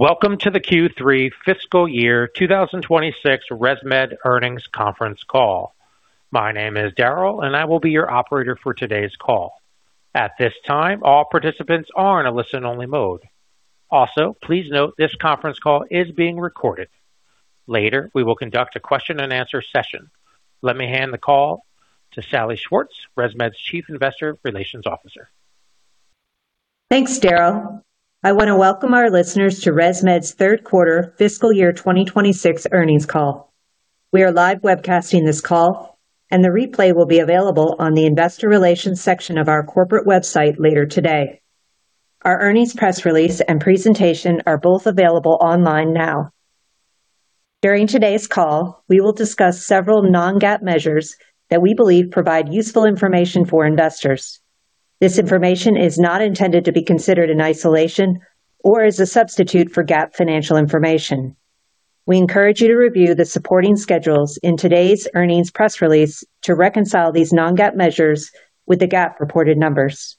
Welcome to the Q3 fiscal Year 2026 ResMed Earnings Conference Call. My name is Daryl, and I will be your operator for today's call. At this time, all participants are in a listen-only mode. Please note this conference call is being recorded. Later, we will conduct a question and answer session. Let me hand the call to Salli Schwartz, ResMed's Chief Investor Relations Officer. Thanks, Daryl. I wanna welcome our listeners to ResMed's third quarter fiscal year 2026 earnings call. We are live webcasting this call, and the replay will be available on the investor relations section of our corporate website later today. Our earnings press release and presentation are both available online now. During today's call, we will discuss several non-GAAP measures that we believe provide useful information for investors. This information is not intended to be considered in isolation or as a substitute for GAAP financial information. We encourage you to review the supporting schedules in today's earnings press release to reconcile these non-GAAP measures with the GAAP reported numbers.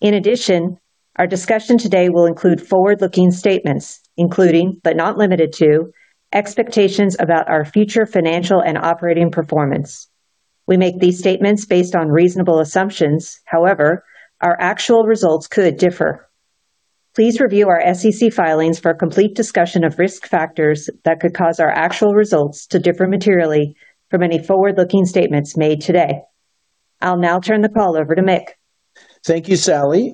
In addition, our discussion today will include forward-looking statements, including, but not limited to, expectations about our future financial and operating performance. We make these statements based on reasonable assumptions. However, our actual results could differ. Please review our SEC filings for a complete discussion of risk factors that could cause our actual results to differ materially from any forward-looking statements made today. I'll now turn the call over to Mick. Thank you, Salli.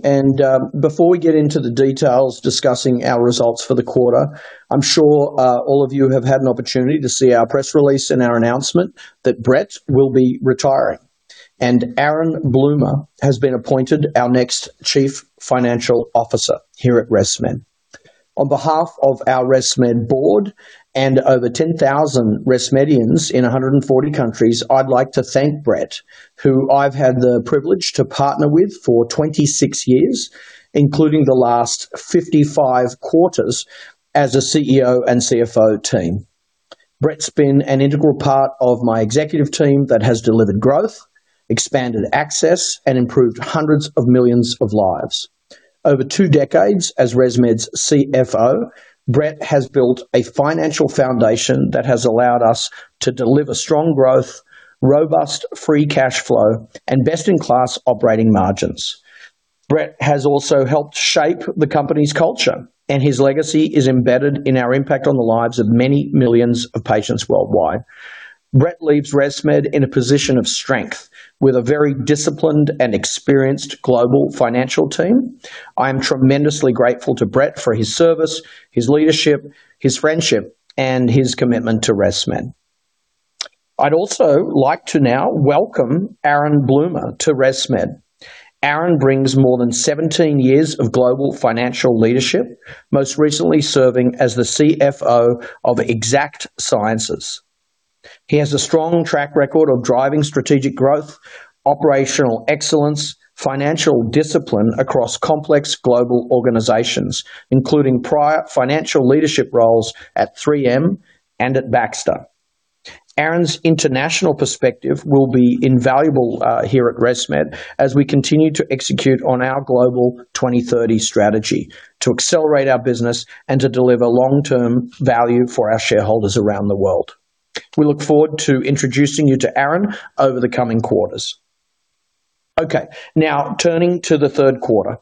Before we get into the details discussing our results for the quarter, I'm sure all of you have had an opportunity to see our press release and our announcement that Brett will be retiring, and Aaron Bloomer has been appointed our next Chief Financial Officer here at ResMed. On behalf of our ResMed board and over 10,000 ResMedians in 140 countries, I'd like to thank Brett, who I've had the privilege to partner with for 26 years, including the last 55 quarters as a CEO and CFO team. Brett's been an integral part of my executive team that has delivered growth, expanded access, and improved hundreds of millions of lives. Over two decades as ResMed's CFO, Brett has built a financial foundation that has allowed us to deliver strong growth, robust free cash flow, and best-in-class operating margins. Brett has also helped shape the company's culture, and his legacy is embedded in our impact on the lives of many millions of patients worldwide. Brett leaves ResMed in a position of strength with a very disciplined and experienced global financial team. I am tremendously grateful to Brett for his service, his leadership, his friendship, and his commitment to ResMed. I'd also like to now welcome Aaron Bloomer to ResMed. Aaron brings more than 17 years of global financial leadership, most recently serving as the CFO of Exact Sciences. He has a strong track record of driving strategic growth, operational excellence, financial discipline across complex global organizations, including prior financial leadership roles at 3M and at Baxter. Aaron's international perspective will be invaluable here at ResMed as we continue to execute on our global 2030 strategy to accelerate our business and to deliver long-term value for our shareholders around the world. We look forward to introducing you to Aaron over the coming quarters. Now turning to the third quarter.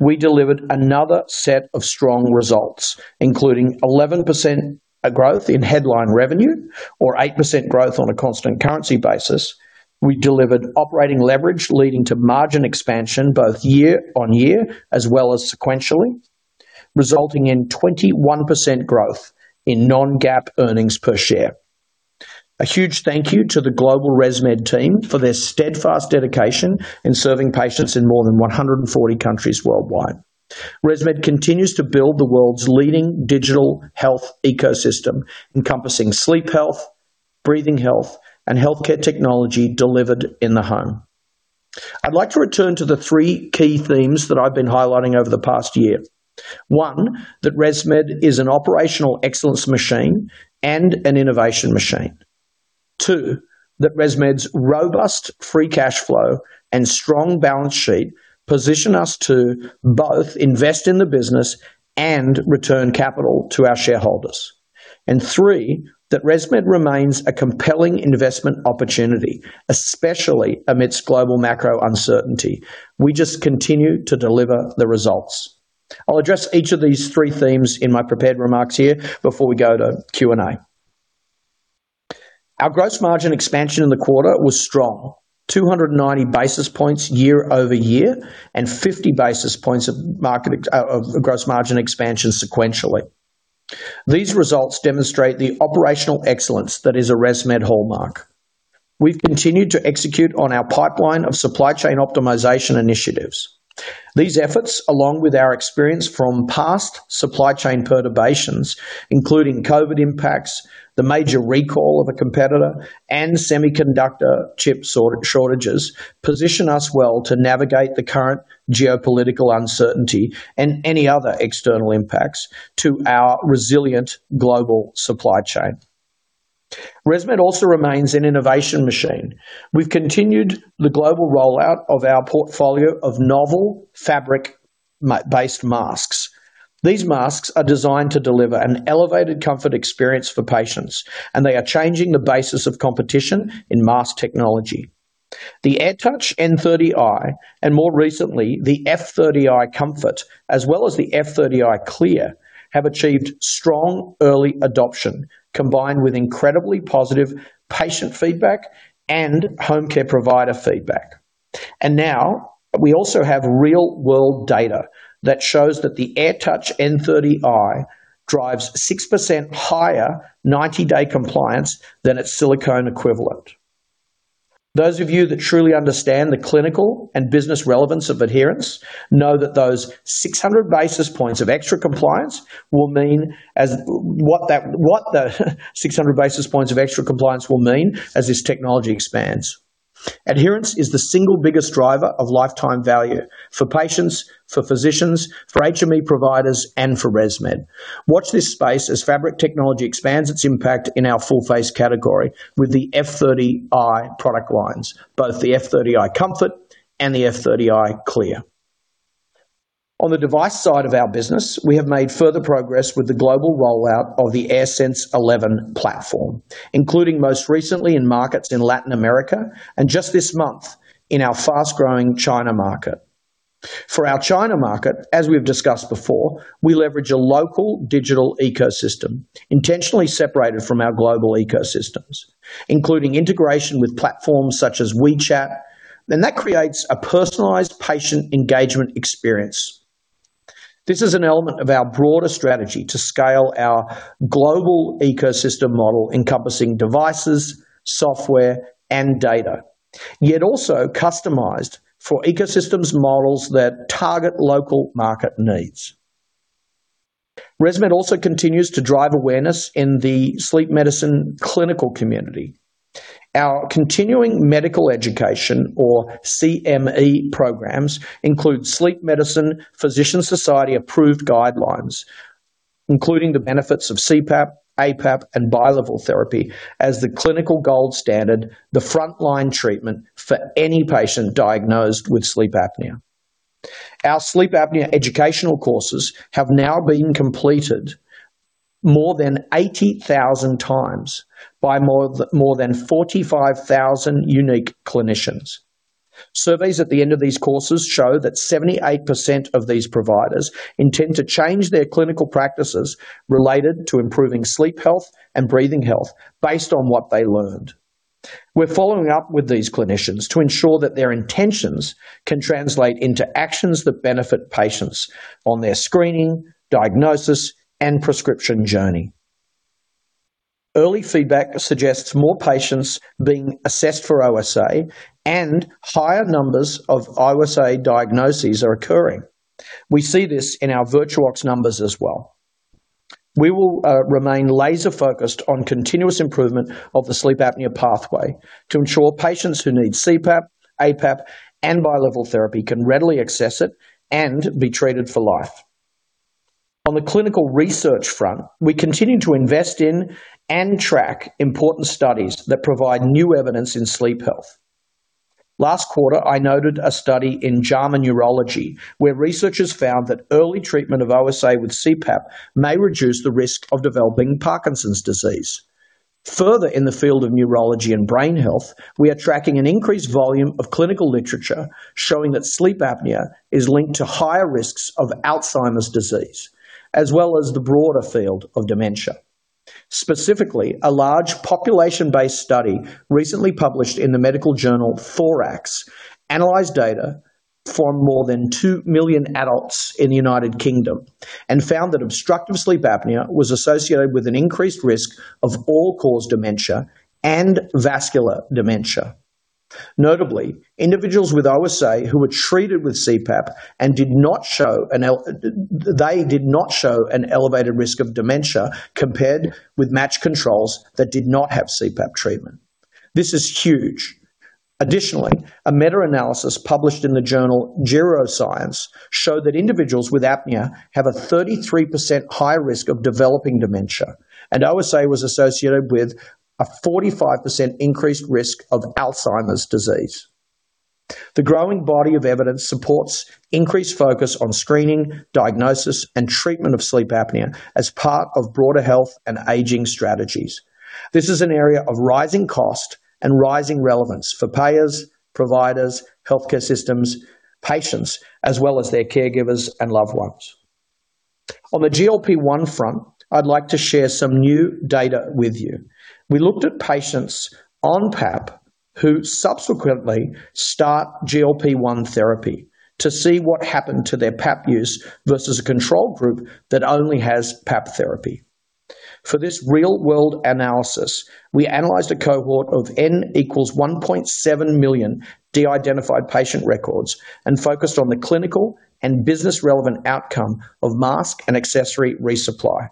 We delivered another set of strong results, including 11% growth in headline revenue or 8% growth on a constant currency basis. We delivered operating leverage leading to margin expansion both year-on-year as well as sequentially, resulting in 21% growth in non-GAAP earnings per share. A huge thank you to the global ResMed team for their steadfast dedication in serving patients in more than 140 countries worldwide. ResMed continues to build the world's leading digital health ecosystem, encompassing sleep health, breathing health, and healthcare technology delivered in the home. I'd like to return to the three key themes that I've been highlighting over the past year. One, that ResMed is an operational excellence machine and an innovation machine. Two, that ResMed's robust free cash flow and strong balance sheet position us to both invest in the business and return capital to our shareholders. Three, that ResMed remains a compelling investment opportunity, especially amidst global macro uncertainty. We just continue to deliver the results. I'll address each of these three themes in my prepared remarks here before we go to Q&A. Our gross margin expansion in the quarter was strong, 290 basis points year-over-year and 50 basis points of gross margin expansion sequentially. These results demonstrate the operational excellence that is a ResMed hallmark. We've continued to execute on our pipeline of supply chain optimization initiatives. These efforts, along with our experience from past supply chain perturbations, including COVID impacts, the major recall of a competitor, and semiconductor chip shortages, position us well to navigate the current geopolitical uncertainty and any other external impacts to our resilient global supply chain. ResMed also remains an innovation machine. We've continued the global rollout of our portfolio of novel fabric based masks. These masks are designed to deliver an elevated comfort experience for patients. They are changing the basis of competition in mask technology. The AirTouch N30i and more recently, the F30i Comfort, as well as the F30i Clear, have achieved strong early adoption, combined with incredibly positive patient feedback and home care provider feedback. Now we also have real-world data that shows that the AirTouch N30i drives 6% higher 90 day compliance than its silicone equivalent. Those of you that truly understand the clinical and business relevance of adherence know that those 600 basis points of extra compliance will mean as this technology expands. Adherence is the single biggest driver of lifetime value for patients, for physicians, for HME providers, and for ResMed. Watch this space as fabric technology expands its impact in our full face category with the F30i product lines, both the F30i Comfort and the F30i Clear. On the device side of our business, we have made further progress with the global rollout of the AirSense 11 platform, including most recently in markets in Latin America and just this month in our fast-growing China market. For our China market, as we've discussed before, we leverage a local digital ecosystem intentionally separated from our global ecosystems, including integration with platforms such as WeChat, and that creates a personalized patient engagement experience. This is an element of our broader strategy to scale our global ecosystem model encompassing devices, software, and data, yet also customized for ecosystems models that target local market needs. ResMed also continues to drive awareness in the sleep medicine clinical community. Our continuing medical education or CME programs include Sleep Medicine Physician Society approved guidelines, including the benefits of CPAP, APAP, and bilevel therapy as the clinical gold standard, the frontline treatment for any patient diagnosed with sleep apnea. Our sleep apnea educational courses have now been completed more than 80,000 times by more than 45,000 unique clinicians. Surveys at the end of these courses show that 78% of these providers intend to change their clinical practices related to improving sleep health and breathing health based on what they learned. We're following up with these clinicians to ensure that their intentions can translate into actions that benefit patients on their screening, diagnosis, and prescription journey. Early feedback suggests more patients being assessed for OSA and higher numbers of OSA diagnoses are occurring. We see this in our VirtuOx numbers as well. We will remain laser-focused on continuous improvement of the sleep apnea pathway to ensure patients who need CPAP, APAP, and bilevel therapy can readily access it and be treated for life. On the clinical research front, we continue to invest in and track important studies that provide new evidence in sleep health. Last quarter, I noted a study in JAMA Neurology, where researchers found that early treatment of OSA with CPAP may reduce the risk of developing Parkinson's disease. Further, in the field of neurology and brain health, we are tracking an increased volume of clinical literature showing that sleep apnea is linked to higher risks of Alzheimer's disease, as well as the broader field of dementia. Specifically, a large population-based study recently published in the medical journal Thorax analyzed data from more than 2 million adults in the U.K. and found that obstructive sleep apnea was associated with an increased risk of all-cause dementia and vascular dementia. Notably, individuals with OSA who were treated with CPAP and they did not show an elevated risk of dementia compared with matched controls that did not have CPAP treatment. This is huge. Additionally, a meta-analysis published in the journal GeroScience showed that individuals with apnea have a 33% higher risk of developing dementia, and OSA was associated with a 45% increased risk of Alzheimer's disease. The growing body of evidence supports increased focus on screening, diagnosis, and treatment of sleep apnea as part of broader health and aging strategies. This is an area of rising cost and rising relevance for payers, providers, healthcare systems, patients, as well as their caregivers and loved ones. On the GLP-1 front, I'd like to share some new data with you. We looked at patients on PAP who subsequently start GLP-1 therapy to see what happened to their PAP use versus a control group that only has PAP therapy. For this real-world analysis, we analyzed a cohort of N equals 1.7 million de-identified patient records and focused on the clinical and business relevant outcome of mask and accessory resupply.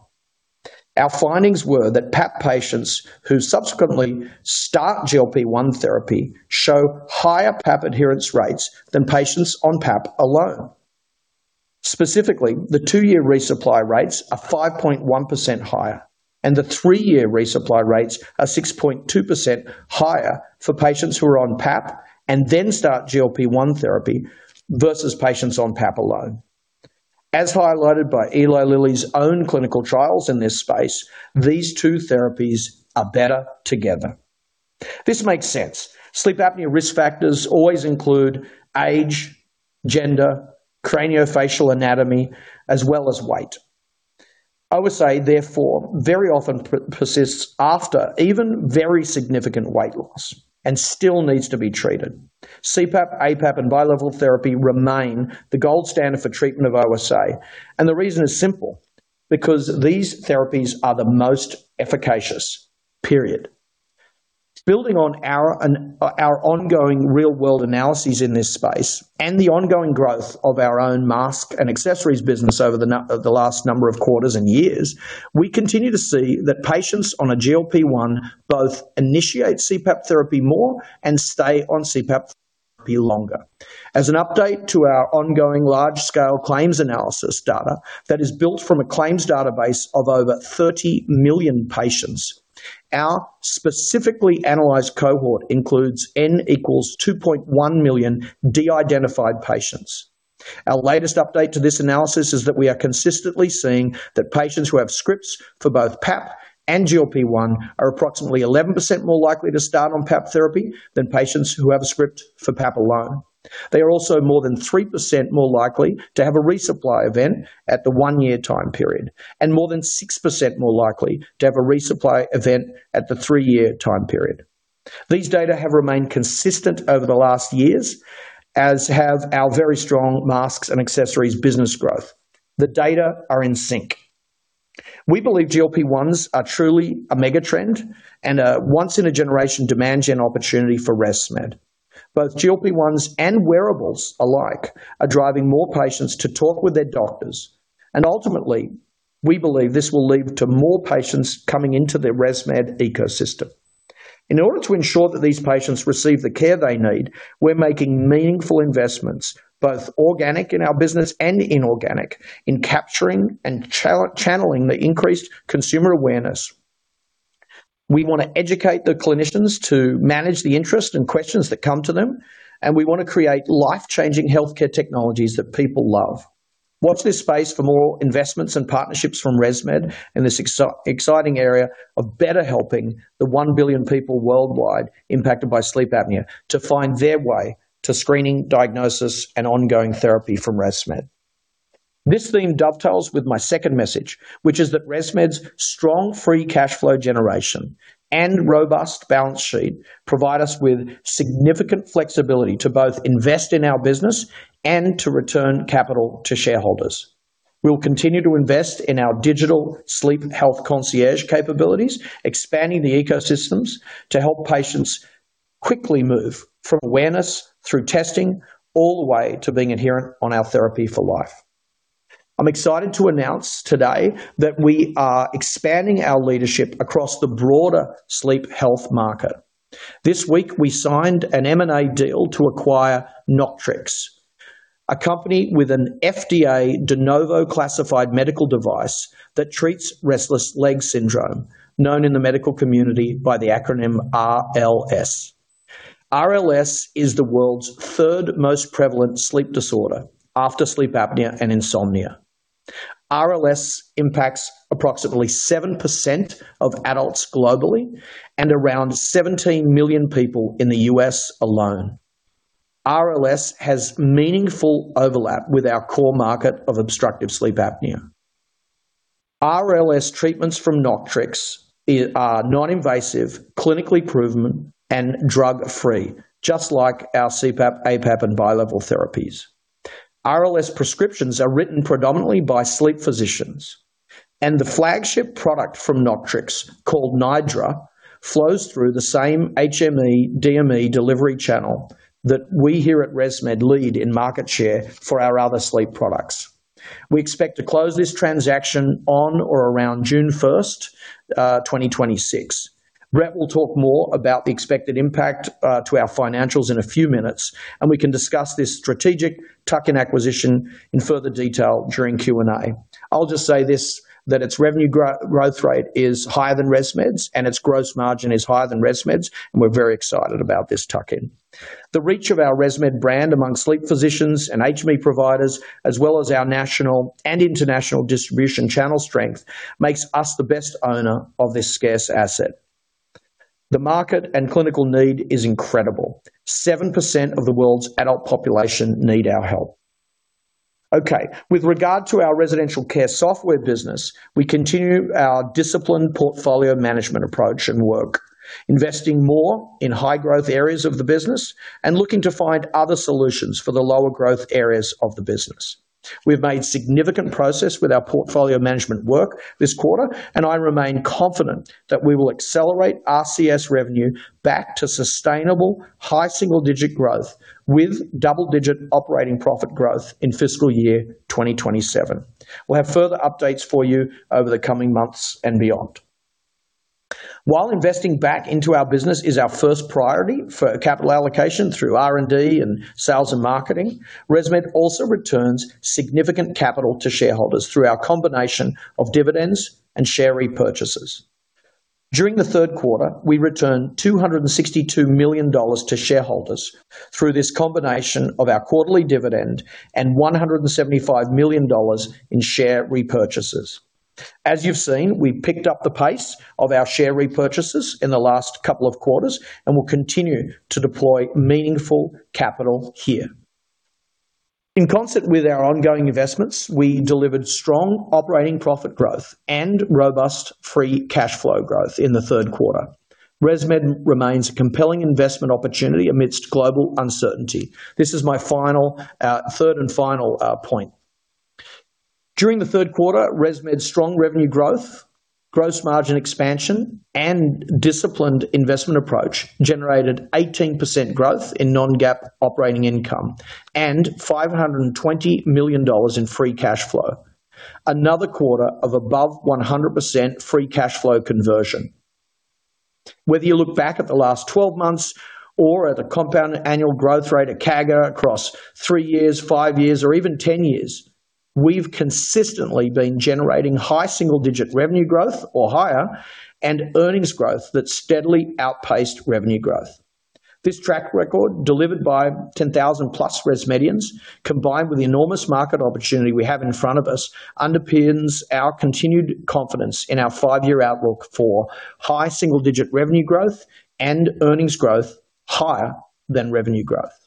Our findings were that PAP patients who subsequently start GLP-1 therapy show higher PAP adherence rates than patients on PAP alone. Specifically, the two year resupply rates are 5.1% higher, and the three year resupply rates are 6.2% higher for patients who are on PAP and then start GLP-1 therapy versus patients on PAP alone. As highlighted by Eli Lilly's own clinical trials in this space, these two therapies are better together. This makes sense. Sleep apnea risk factors always include age, gender, craniofacial anatomy, as well as weight. OSA, therefore, very often persists after even very significant weight loss and still needs to be treated. CPAP, APAP, and bilevel therapy remain the gold standard for treatment of OSA. The reason is simple, because these therapies are the most efficacious, period. Building on our ongoing real-world analyses in this space and the ongoing growth of our own mask and accessories business over the last number of quarters and years, we continue to see that patients on a GLP-1 both initiate CPAP therapy more and stay on CPAP therapy longer. As an update to our ongoing large-scale claims analysis data that is built from a claims database of over 30 million patients, our specifically analyzed cohort includes N equals 2.1 million de-identified patients. Our latest update to this analysis is that we are consistently seeing that patients who have scripts for both PAP and GLP-1 are approximately 11% more likely to start on PAP therapy than patients who have a script for PAP alone. They are also more than 3% more likely to have a resupply event at the one year time period, and more than 6% more likely to have a resupply event at the three year time period. These data have remained consistent over the last years, as have our very strong masks and accessories business growth. The data are in sync. We believe GLP-1s are truly a mega trend and a once in a generation demand gen opportunity for ResMed. Both GLP-1s and wearables alike are driving more patients to talk with their doctors. Ultimately, we believe this will lead to more patients coming into the ResMed ecosystem. In order to ensure that these patients receive the care they need, we're making meaningful investments, both organic in our business and inorganic, in capturing and channeling the increased consumer awareness. We wanna educate the clinicians to manage the interest and questions that come to them, and we wanna create life-changing healthcare technologies that people love. Watch this space for more investments and partnerships from ResMed in this exciting area of better helping the one billion people worldwide impacted by sleep apnea to find their way to screening, diagnosis, and ongoing therapy from ResMed. This theme dovetails with my second message, which is that ResMed's strong free cash flow generation and robust balance sheet provide us with significant flexibility to both invest in our business and to return capital to shareholders. We'll continue to invest in our digital sleep health concierge capabilities, expanding the ecosystems to help patients quickly move from awareness through testing all the way to being adherent on our therapy for life. I'm excited to announce today that we are expanding our leadership across the broader sleep health market. This week, we signed an M&A deal to acquire Noctrix, a company with an FDA De Novo classified medical device that treats restless leg syndrome, known in the medical community by the acronym RLS. RLS is the world's third most prevalent sleep disorder after sleep apnea and insomnia. RLS impacts approximately 7% of adults globally and around 17 million people in the U.S. alone. RLS has meaningful overlap with our core market of obstructive sleep apnea. RLS treatments from Noctrix are non-invasive, clinically proven, and drug-free, just like our CPAP, APAP, and bilevel therapies. RLS prescriptions are written predominantly by sleep physicians, and the flagship product from Noctrix, called Nidra, flows through the same HME/DME delivery channel that we here at ResMed lead in market share for our other sleep products. We expect to close this transaction on or around June 1st, 2026. Brett will talk more about the expected impact to our financials in a few minutes, and we can discuss this strategic tuck-in acquisition in further detail during Q&A. I'll just say this, that its revenue growth rate is higher than ResMed's, and its gross margin is higher than ResMed's, and we're very excited about this tuck-in. The reach of our ResMed brand among sleep physicians and HME providers, as well as our national and international distribution channel strength, makes us the best owner of this scarce asset. The market and clinical need is incredible. 7% of the world's adult population need our help. Okay. With regard to our residential care software business, we continue our disciplined portfolio management approach and work, investing more in high-growth areas of the business and looking to find other solutions for the lower-growth areas of the business. We've made significant progress with our portfolio management work this quarter, and I remain confident that we will accelerate RCS revenue back to sustainable high single-digit growth with double-digit operating profit growth in fiscal year 2027. We'll have further updates for you over the coming months and beyond. While investing back into our business is our first priority for capital allocation through R&D and sales and marketing, ResMed also returns significant capital to shareholders through our combination of dividends and share repurchases. During the third quarter, we returned $262 million to shareholders through this combination of our quarterly dividend and $175 million in share repurchases. As you've seen, we've picked up the pace of our share repurchases in the last couple of quarters and will continue to deploy meaningful capital here. In concept with our ongoing investments, we delivered strong operating profit growth and robust free cash flow growth in the third quarter. ResMed remains a compelling investment opportunity amidst global uncertainty. This is my third and final point. During the third quarter, ResMed's strong revenue growth, gross margin expansion, and disciplined investment approach generated 18% growth in non-GAAP operating income and $520 million in free cash flow. Another quarter of above 100% free cash flow conversion. Whether you look back at the last 12 months or at the compounded annual growth rate at CAGR across three years, five years or even 10 years, we've consistently been generating high single-digit revenue growth or higher, and earnings growth that steadily outpaced revenue growth. This track record, delivered by 10,000 plus ResMedians, combined with the enormous market opportunity we have in front of us, underpins our continued confidence in our five year outlook for high single-digit revenue growth and earnings growth higher than revenue growth.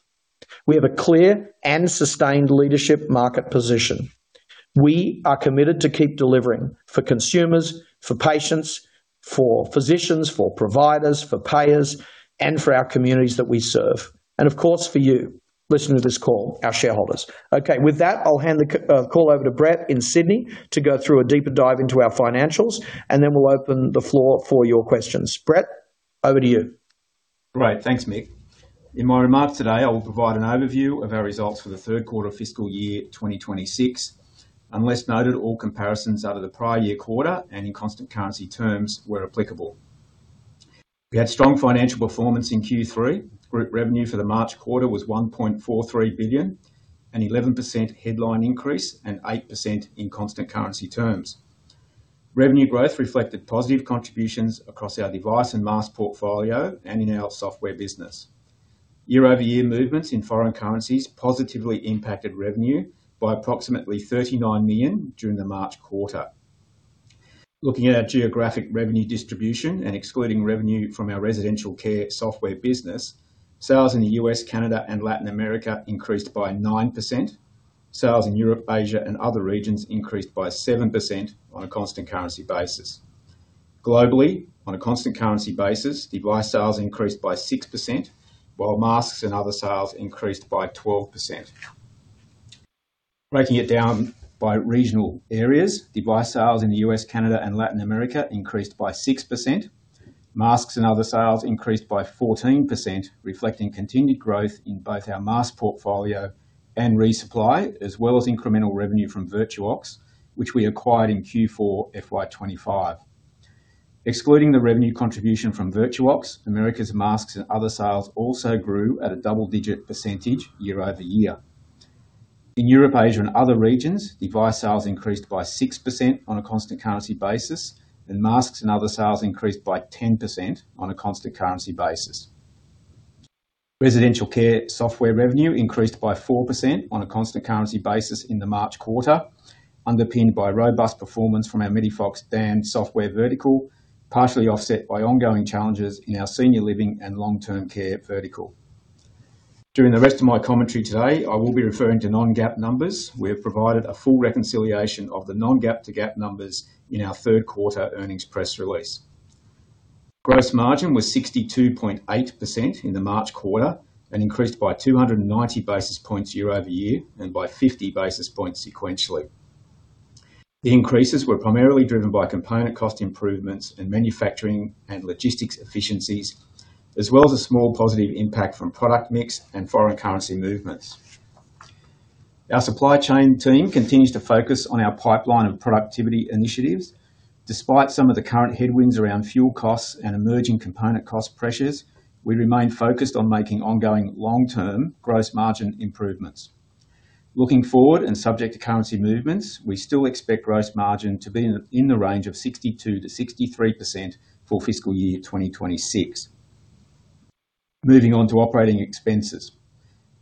We have a clear and sustained leadership market position. We are committed to keep delivering for consumers, for patients, for physicians, for providers, for payers, and for our communities that we serve. Of course, for you, listening to this call, our shareholders. Okay, with that, I'll hand the call over to Brett in Sydney to go through a deeper dive into our financials, and then we'll open the floor for your questions. Brett, over to you. Great. Thanks, Mick. In my remarks today, I will provide an overview of our results for the third quarter fiscal year 2026. Unless noted, all comparisons are to the prior year quarter and in constant currency terms where applicable. We had strong financial performance in Q3. Group revenue for the March quarter was $1.43 billion, an 11% headline increase, and 8% in constant currency terms. Revenue growth reflected positive contributions across our device and mask portfolio and in our software business. Year-over-year movements in foreign currencies positively impacted revenue by approximately $39 million during the March quarter. Looking at our geographic revenue distribution and excluding revenue from our residential care software business, sales in the U.S., Canada, and Latin America increased by 9%. Sales in Europe, Asia, and other regions increased by 7% on a constant currency basis. Globally, on a constant currency basis, device sales increased by 6%, while masks and other sales increased by 12%. Breaking it down by regional areas, device sales in the US, Canada, and Latin America increased by 6%. Masks and other sales increased by 14%, reflecting continued growth in both our mask portfolio and resupply, as well as incremental revenue from Virtuox, which we acquired in Q4 FY 2025. Excluding the revenue contribution from Virtuox, America's masks and other sales also grew at a double-digit percentage year-over-year. In Europe, Asia, and other regions, device sales increased by 6% on a constant currency basis, and masks and other sales increased by 10% on a constant currency basis. Residential care software revenue increased by 4% on a constant currency basis in the March quarter, underpinned by robust performance from our Medifox DAN software vertical, partially offset by ongoing challenges in our senior living and long-term care vertical. During the rest of my commentary today, I will be referring to non-GAAP numbers. We have provided a full reconciliation of the non-GAAP to GAAP numbers in our third quarter earnings press release. Gross margin was 62.8% in the March quarter and increased by 290 basis points year-over-year and by 50 basis points sequentially. The increases were primarily driven by component cost improvements in manufacturing and logistics efficiencies, as well as a small positive impact from product mix and foreign currency movements. Our supply chain team continues to focus on our pipeline and productivity initiatives. Despite some of the current headwinds around fuel costs and emerging component cost pressures, we remain focused on making ongoing long-term gross margin improvements. Looking forward and subject to currency movements, we still expect gross margin to be in the range of 62%-63% for fiscal year 2026. Moving on to operating expenses.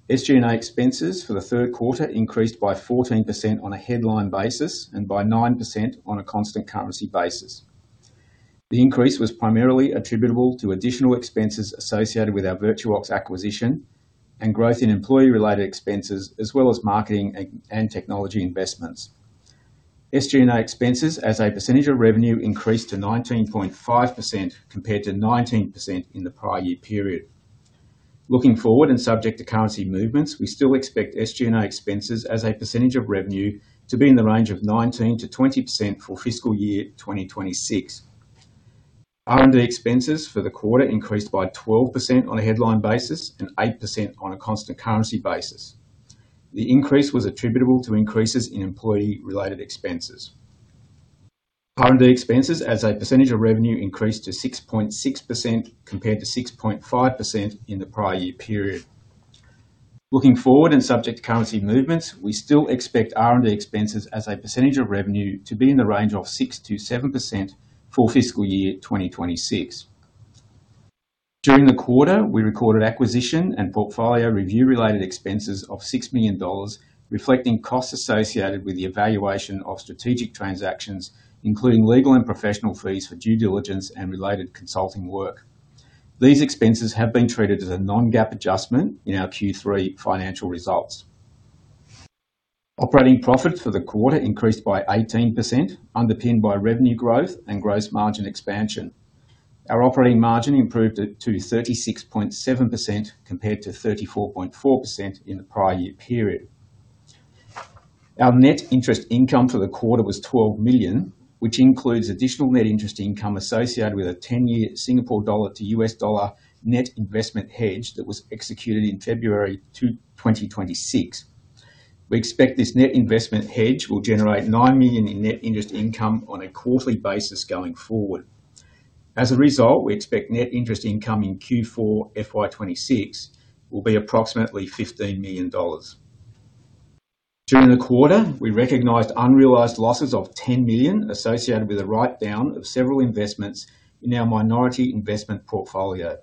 SG&A expenses for the third quarter increased by 14% on a headline basis and by 9% on a constant currency basis. The increase was primarily attributable to additional expenses associated with our Virtuox acquisition and growth in employee-related expenses, as well as marketing and technology investments. SG&A expenses as a percentage of revenue increased to 19.5% compared to 19% in the prior year period. Looking forward and subject to currency movements, we still expect SG&A expenses as a percentage of revenue to be in the range of 19%-20% for fiscal year 2026. R&D expenses for the quarter increased by 12% on a headline basis and 8% on a constant currency basis. The increase was attributable to increases in employee-related expenses. R&D expenses as a percentage of revenue increased to 6.6% compared to 6.5% in the prior year period. Looking forward, and subject to currency movements, we still expect R&D expenses as a percentage of revenue to be in the range of 6%-7% for fiscal year 2026. During the quarter, we recorded acquisition and portfolio review-related expenses of $6 million, reflecting costs associated with the evaluation of strategic transactions, including legal and professional fees for due diligence and related consulting work. These expenses have been treated as a non-GAAP adjustment in our Q3 financial results. Operating profit for the quarter increased by 18%, underpinned by revenue growth and gross margin expansion. Our operating margin improved it to 36.7% compared to 34.4% in the prior year period. Our net interest income for the quarter was $12 million, which includes additional net interest income associated with a 10 year Singapore dollar to US dollar net investment hedge that was executed in February 2026. We expect this net investment hedge will generate $9 million in net interest income on a quarterly basis going forward. As a result, we expect net interest income in Q4 FY 2026 will be approximately $15 million. During the quarter, we recognized unrealized losses of $10 million associated with the write-down of several investments in our minority investment portfolio.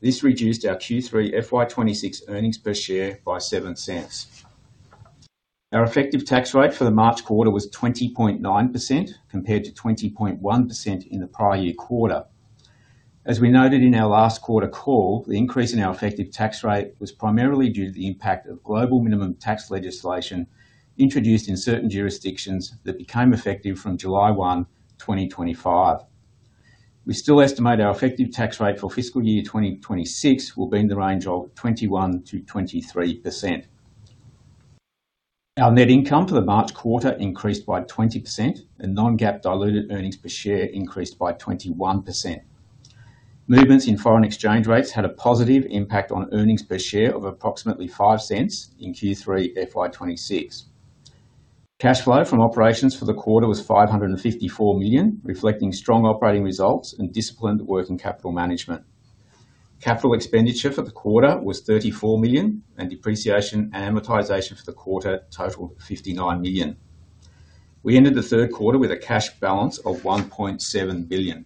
This reduced our Q3 FY 2026 earnings per share by $0.07. Our effective tax rate for the March quarter was 20.9%, compared to 20.1% in the prior year quarter. As we noted in our last quarter call, the increase in our effective tax rate was primarily due to the impact of global minimum tax legislation introduced in certain jurisdictions that became effective from July 1, 2025. We still estimate our effective tax rate for fiscal year 2026 will be in the range of 21%-23%. Our net income for the March quarter increased by 20% and non-GAAP diluted earnings per share increased by 21%. Movements in foreign exchange rates had a positive impact on earnings per share of approximately $0.05 in Q3 FY 2026. Cash flow from operations for the quarter was $554 million, reflecting strong operating results and disciplined working capital management. Capital expenditure for the quarter was $34 million, and depreciation and amortization for the quarter totaled $59 million. We ended the third quarter with a cash balance of $1.7 billion.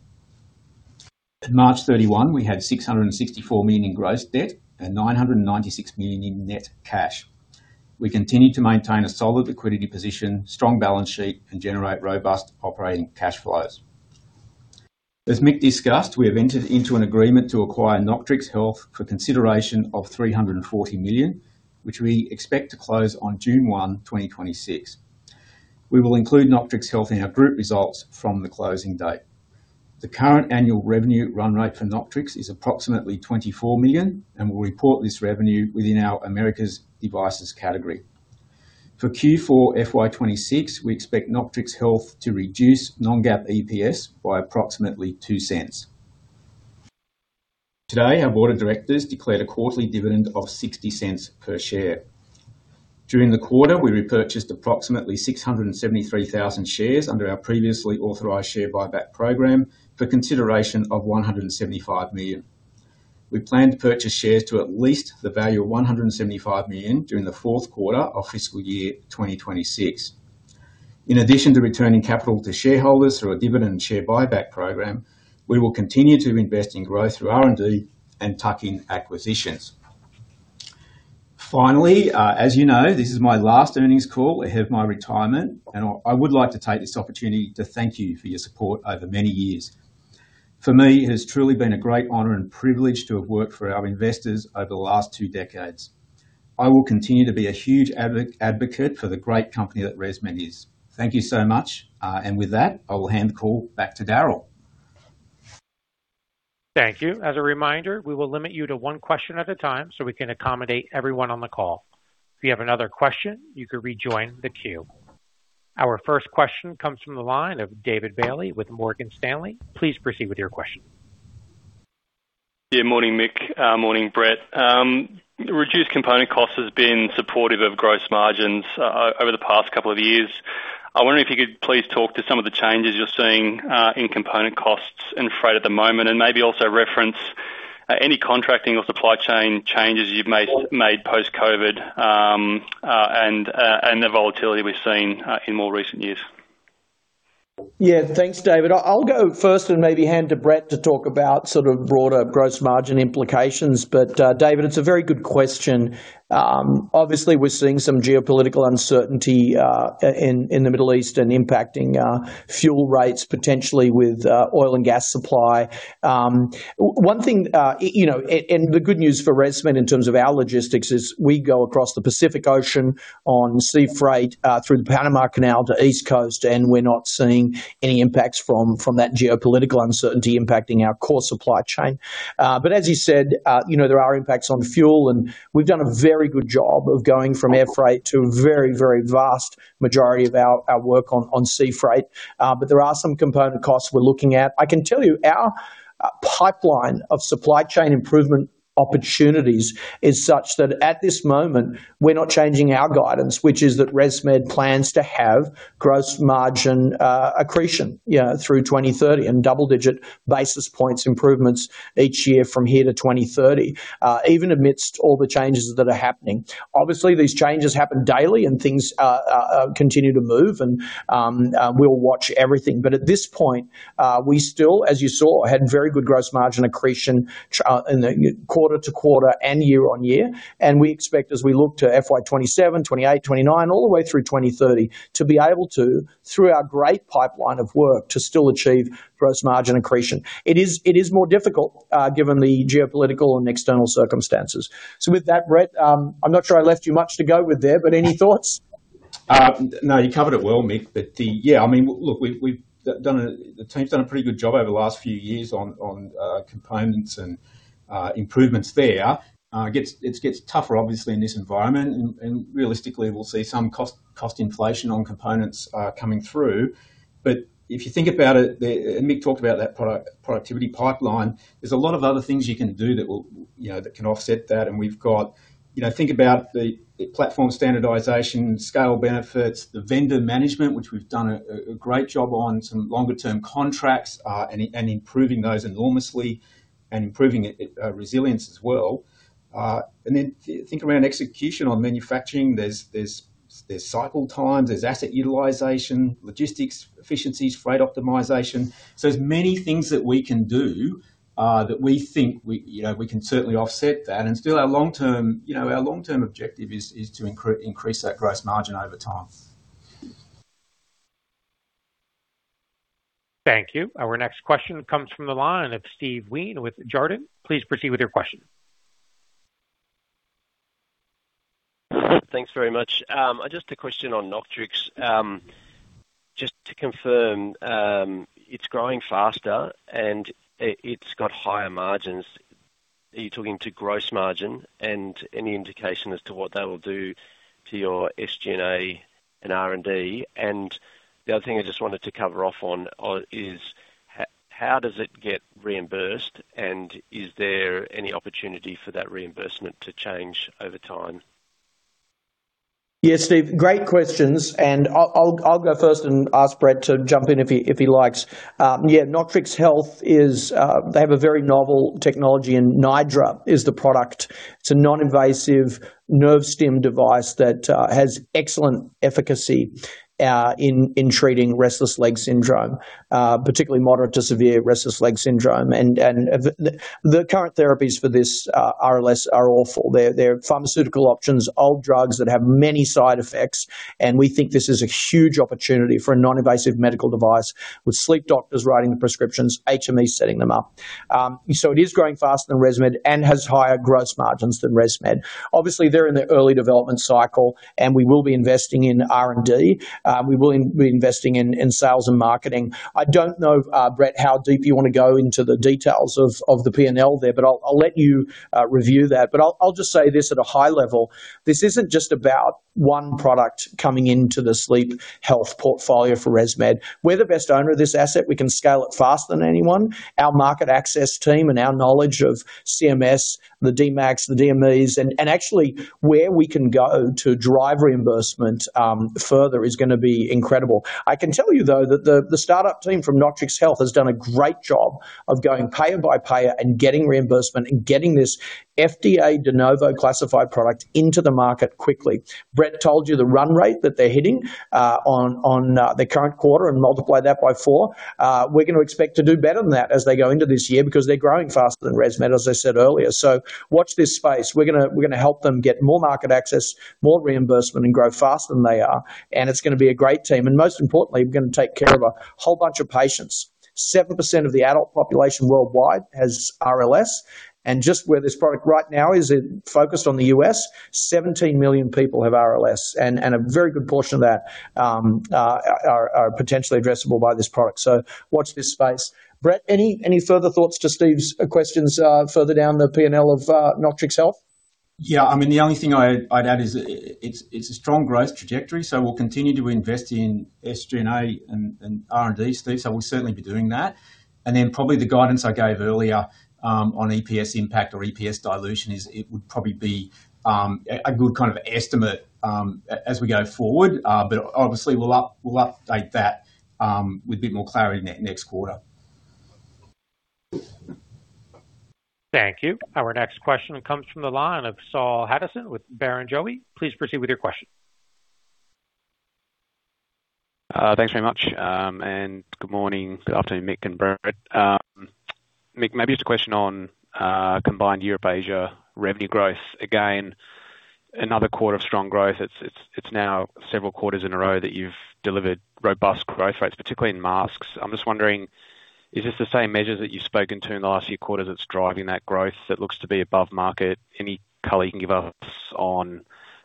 At March 31, we had $664 million in gross debt and $996 million in net cash. We continue to maintain a solid liquidity position, strong balance sheet, and generate robust operating cash flows. As Mick discussed, we have entered into an agreement to acquire Noctrix Health for consideration of $340 million, which we expect to close on June 1, 2026. We will include Noctrix Health in our group results from the closing date. The current annual revenue run rate for Noctrix is approximately $24 million. We'll report this revenue within our Americas devices category. For Q4 FY 2026, we expect Noctrix Health to reduce non-GAAP EPS by approximately $0.02. Today, our board of directors declared a quarterly dividend of $0.60 per share. During the quarter, we repurchased approximately 673,000 shares under our previously authorized share buyback program for consideration of $175 million. We plan to purchase shares to at least the value of $175 million during the fourth quarter of fiscal year 2026. In addition to returning capital to shareholders through a dividend share buyback program, we will continue to invest in growth through R&D and tuck-in acquisitions. Finally, as you know, this is my last earnings call ahead of my retirement, and I would like to take this opportunity to thank you for your support over many years. For me, it has truly been a great honor and privilege to have worked for our investors over the last two decades. I will continue to be a huge advocate for the great company that ResMed is. Thank you so much. With that, I will hand the call back to Daryl. Thank you. As a reminder, we will limit you to one question at a time so we can accommodate everyone on the call. If you have another question, you can rejoin the queue. Our first question comes from the line of David Bailey with Morgan Stanley. Please proceed with your question. Yeah, morning, Mick. Morning, Brett. Reduced component costs has been supportive of gross margins over the past couple of years. I wonder if you could please talk to some of the changes you're seeing in component costs and freight at the moment, and maybe also reference any contracting or supply chain changes you've made post-COVID, and the volatility we've seen in more recent years. Yeah. Thanks, David. I'll go first and maybe hand to Brett to talk about sort of broader gross margin implications. David, it's a very good question. Obviously, we're seeing some geopolitical uncertainty in the Middle East and impacting fuel rates potentially with oil and gas supply. One thing, you know, and the good news for ResMed in terms of our logistics is we go across the Pacific Ocean on sea freight through the Panama Canal to East Coast, and we're not seeing any impacts from that geopolitical uncertainty impacting our core supply chain. As you said, you know, there are impacts on fuel, and we've done a very good job of going from air freight to a very vast majority of our work on sea freight. But there are some component costs we're looking at. I can tell you our pipeline of supply chain improvement opportunities is such that at this moment we're not changing our guidance, which is that ResMed plans to have gross margin accretion, you know, through 2030 and double-digit basis points improvements each year from here to 2030, even amidst all the changes that are happening. Obviously, these changes happen daily and things continue to move and we'll watch everything. At this point, we still, as you saw, had very good gross margin accretion in the quarter-to-quarter and year-on-year. We expect as we look to FY 2027, 2028, 2029, all the way through 2030, to be able to, through our great pipeline of work, to still achieve gross margin accretion. It is more difficult, given the geopolitical and external circumstances. With that, Brett, I'm not sure I left you much to go with there, but any thoughts? No, you covered it well, Mick. Yeah, I mean, look, the team's done a pretty good job over the last few years on components and improvements there. It gets tougher obviously in this environment and realistically we'll see some cost inflation on components coming through. If you think about it, and Mick talked about that productivity pipeline. There's a lot of other things you can do that will, you know, that can offset that. We've got, you know, think about the platform standardization, scale benefits, the vendor management, which we've done a great job on some longer term contracts, and improving those enormously and improving it resilience as well. Think around execution on manufacturing. There's cycle times, there's asset utilization, logistics, efficiencies, freight optimization. There's many things that we can do, that we think we, you know, we can certainly offset that. Still our long-term, you know, our long-term objective is to increase that gross margin over time. Thank you. Our next question comes from the line of Steve Wheen with Jarden. Please proceed with your question. Thanks very much. Just a question on Noctrix. Just to confirm, it's growing faster and it's got higher margins. Are you talking to gross margin? Any indication as to what that will do to your SG&A and R&D? The other thing I just wanted to cover off on is how does it get reimbursed? Is there any opportunity for that reimbursement to change over time? Steve, great questions. I'll go first and ask Brett to jump in if he likes. Noctrix Health is, they have a very novel technology. Nidra is the product. It's a non-invasive nerve stim device that has excellent efficacy in treating restless leg syndrome, particularly moderate to severe restless leg syndrome. The current therapies for this RLS are awful. They're pharmaceutical options, old drugs that have many side effects. We think this is a huge opportunity for a non-invasive medical device with sleep doctors writing the prescriptions, HMEs setting them up. It is growing faster than ResMed, has higher gross margins than ResMed. Obviously, they're in the early development cycle. We will be investing in R&D. We will be investing in sales and marketing. I don't know, Brett, how deep you wanna go into the details of the P&L there, but I'll let you review that. I'll just say this at a high level. This isn't just about one product coming into the sleep health portfolio for ResMed. We're the best owner of this asset. We can scale it faster than anyone. Our market access team and our knowledge of CMS, the DMACs, the DMEs, and actually where we can go to drive reimbursement further is gonna be incredible. I can tell you, though, that the startup team from Noctrix Health has done a great job of going payer by payer and getting reimbursement and getting this FDA De Novo classified product into the market quickly. Brett told you the run rate that they're hitting on the current quarter and multiply that by four. We're gonna expect to do better than that as they go into this year because they're growing faster than ResMed, as I said earlier. Watch this space. We're gonna help them get more market access, more reimbursement, and grow faster than they are. It's gonna be a great team. Most importantly, we're gonna take care of a whole bunch of patients. 7% of the adult population worldwide has RLS, and just where this product right now is, it focused on the U.S., 17 million people have RLS, and a very good portion of that are potentially addressable by this product. Watch this space. Brett, any further thoughts to Steve's questions, further down the P&L of Noctrix Health? Yeah. I mean, the only thing I'd add is it's a strong growth trajectory, so we'll continue to invest in SG&A and R&D, Steve. We'll certainly be doing that. Probably the guidance I gave earlier on EPS impact or EPS dilution is it would probably be a good kind of estimate as we go forward. Obviously we'll update that with a bit more clarity next quarter. Thank you. Our next question comes from the line of Saul Hadassin with Barrenjoey. Please proceed with your question. Thanks very much, and good morning. Good afternoon, Mick and Brett. Mick, maybe just a question on combined Europe, Asia revenue growth. Again, another quarter of strong growth. It's now several quarters in a row that you've delivered robust growth rates, particularly in masks. I'm just wondering, is this the same measures that you've spoken to in the last few quarters that's driving that growth that looks to be above market? Any color you can give us on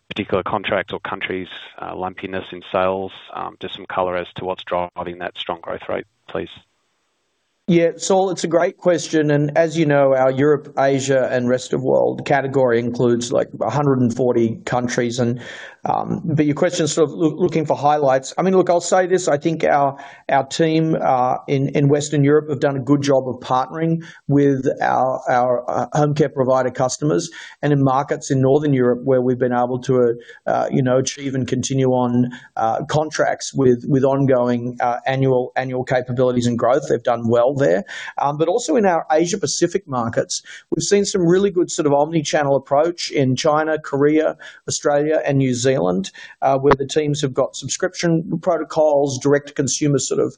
particular contracts or countries, lumpiness in sales? Just some color as to what's driving that strong growth rate, please. Yeah. Saul, it's a great question, as you know, our Europe, Asia and rest of world category includes, like, 140 countries, your question is sort of looking for highlights. I mean, look, I'll say this, I think our team in Western Europe have done a good job of partnering with our home care provider customers and in markets in Northern Europe where we've been able to, you know, achieve and continue on contracts with ongoing annual capabilities and growth. They've done well there. Also in our Asia Pacific markets, we've seen some really good sort of omni-channel approach in China, Korea, Australia and New Zealand, where the teams have got subscription protocols, direct to consumer sort of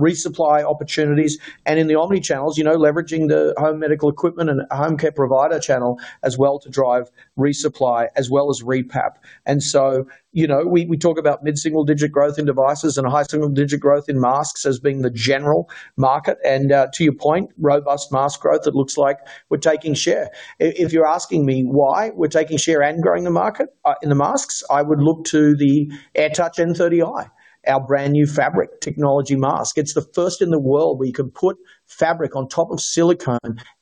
resupply opportunities. In the omnichannels, you know, leveraging the home medical equipment and home care provider channel as well to drive resupply as well as repap. You know, we talk about mid-single digit growth in devices and a high single digit growth in masks as being the general market. To your point, robust mask growth, it looks like we're taking share. If you're asking me why we're taking share and growing the market, in the masks, I would look to the AirTouch N30i, our brand new fabric technology mask. It's the first in the world where you can put fabric on top of silicone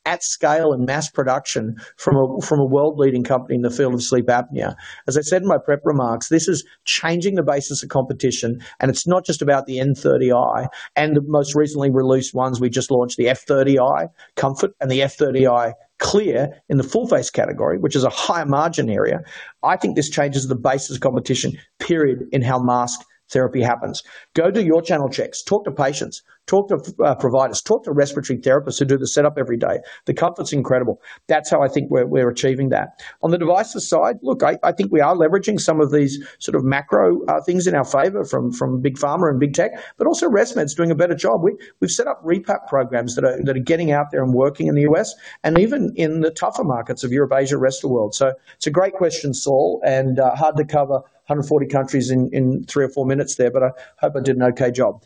at scale and mass production from a world leading company in the field of sleep apnea. As I said in my prep remarks, this is changing the basis of competition. It's not just about the N30i and the most recently released ones. We just launched the F30i Comfort and the F30i Clear in the full face category, which is a higher margin area. I think this changes the basis of competition, period, in how mask therapy happens. Go do your channel checks, talk to patients, talk to providers, talk to respiratory therapists who do the setup every day. The comfort's incredible. That's how I think we're achieving that. On the devices side, look, I think we are leveraging some of these sort of macro things in our favor from big pharma and big tech. Also, ResMed's doing a better job. We've set up PAP programs that are getting out there and working in the U.S. and even in the tougher markets of Europe, Asia, rest of the world. It's a great question, Saul, and hard to cover 140 countries in three or four minutes there, but I hope I did an okay job.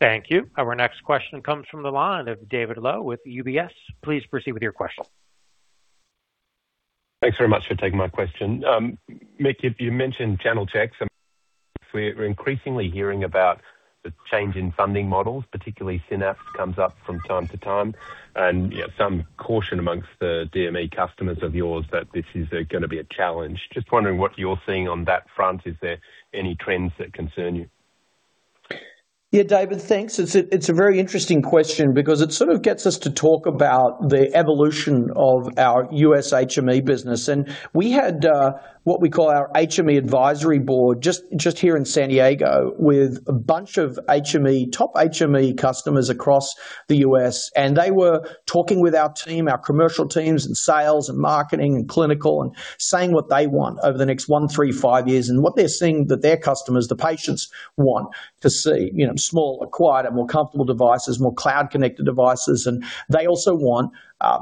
Thank you. Our next question comes from the line of David Low with UBS. Please proceed with your question. Thanks very much for taking my question. Mick, you mentioned channel checks. We're, we're increasingly hearing about the change in funding models, particularly Synapse comes up from time to time and, you know, some caution amongst the DME customers of yours that this is gonna be a challenge. Just wondering what you're seeing on that front. Is there any trends that concern you? Yeah, David, thanks. It's a very interesting question because it sort of gets us to talk about the evolution of our U.S. HME business. We had what we call our HME advisory board just here in San Diego with a bunch of HME, top HME customers across the U.S., and they were talking with our team, our commercial teams in sales and marketing and clinical, and saying what they want over the next one, three, five years and what they're seeing that their customers, the patients want to see. You know, smaller, quieter, more comfortable devices, more cloud connected devices. They also want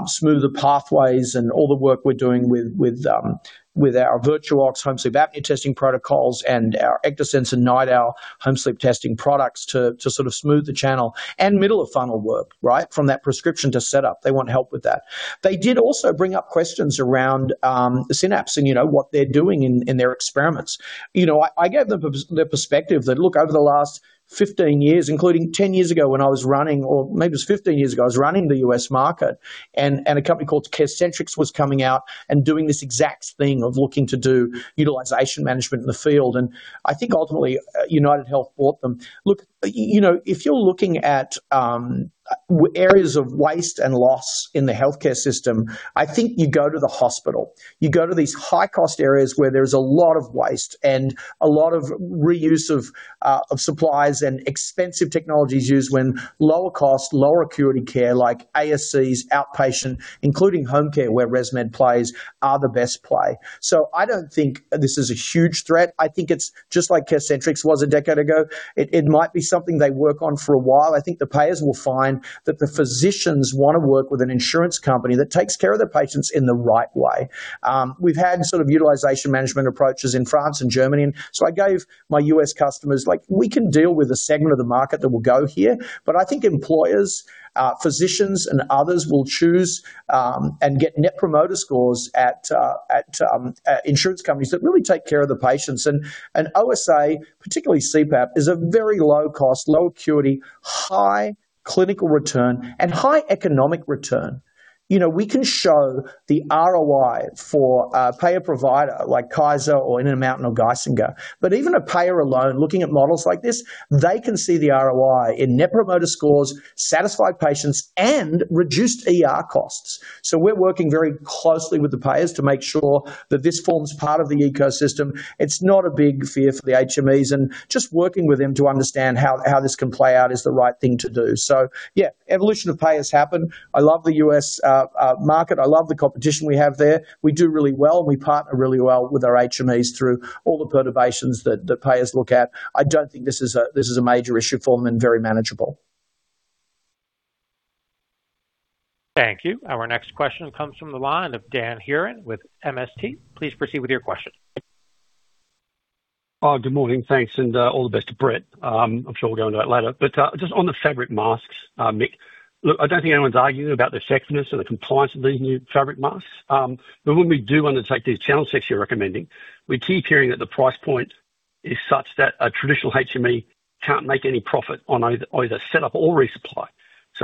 smoother pathways and all the work we're doing with our VirtuOx home sleep apnea testing protocols and our Ectosense and NightOwl home sleep testing products to sort of smooth the channel and middle of funnel work, right? From that prescription to setup. They want help with that. They did also bring up questions around Synapse and you know, what they're doing in their experiments. You know, I gave them their perspective that, look, over the last 15 years, including 10 years ago when I was running, or maybe it was 15 years ago, I was running the U.S. market and a company called CareCentrix was coming out and doing this exact thing of looking to do utilization management in the field. I think ultimately UnitedHealth bought them. Look, you know, if you're looking at areas of waste and loss in the healthcare system, I think you go to the hospital. You go to these high cost areas where there's a lot of waste and a lot of reuse of supplies and expensive technologies used when lower cost, lower acuity care like ASCs, outpatient, including home care, where ResMed plays are the best play. I don't think this is a huge threat. I think it's just like CareCentrix was a decade ago. It might be something they work on for a while. I think the payers will find that the physicians wanna work with an insurance company that takes care of their patients in the right way. We've had sort of utilization management approaches in France and Germany. I gave my U.S. customers, like, we can deal with a segment of the market that will go here, but I think employers, physicians and others will choose and get net promoter scores at insurance companies that really take care of the patients. And OSA, particularly CPAP, is a very low cost, low acuity, high clinical return and high economic return. You know, we can show the ROI for a payer provider like Kaiser or Intermountain or Geisinger. Even a payer alone looking at models like this, they can see the ROI in net promoter scores, satisfied patients, and reduced ER costs. We're working very closely with the payers to make sure that this forms part of the ecosystem. It's not a big fear for the HMEs and just working with them to understand how this can play out is the right thing to do. Yeah, evolution of pay has happened. I love the U.S. market. I love the competition we have there. We do really well, and we partner really well with our HMEs through all the perturbations that payers look at. I don't think this is a, this is a major issue for them and very manageable. Thank you. Our next question comes from the line of Dan Hurren with MST. Please proceed with your question. Good morning. Thanks, and all the best to Brett. I'm sure we'll go into it later. Just on the fabric masks, Mick. Look, I don't think anyone's arguing about the effectiveness or the compliance of these new fabric masks. When we do undertake these channel checks you're recommending, we keep hearing that the price point is such that a traditional HME can't make any profit on either setup or resupply.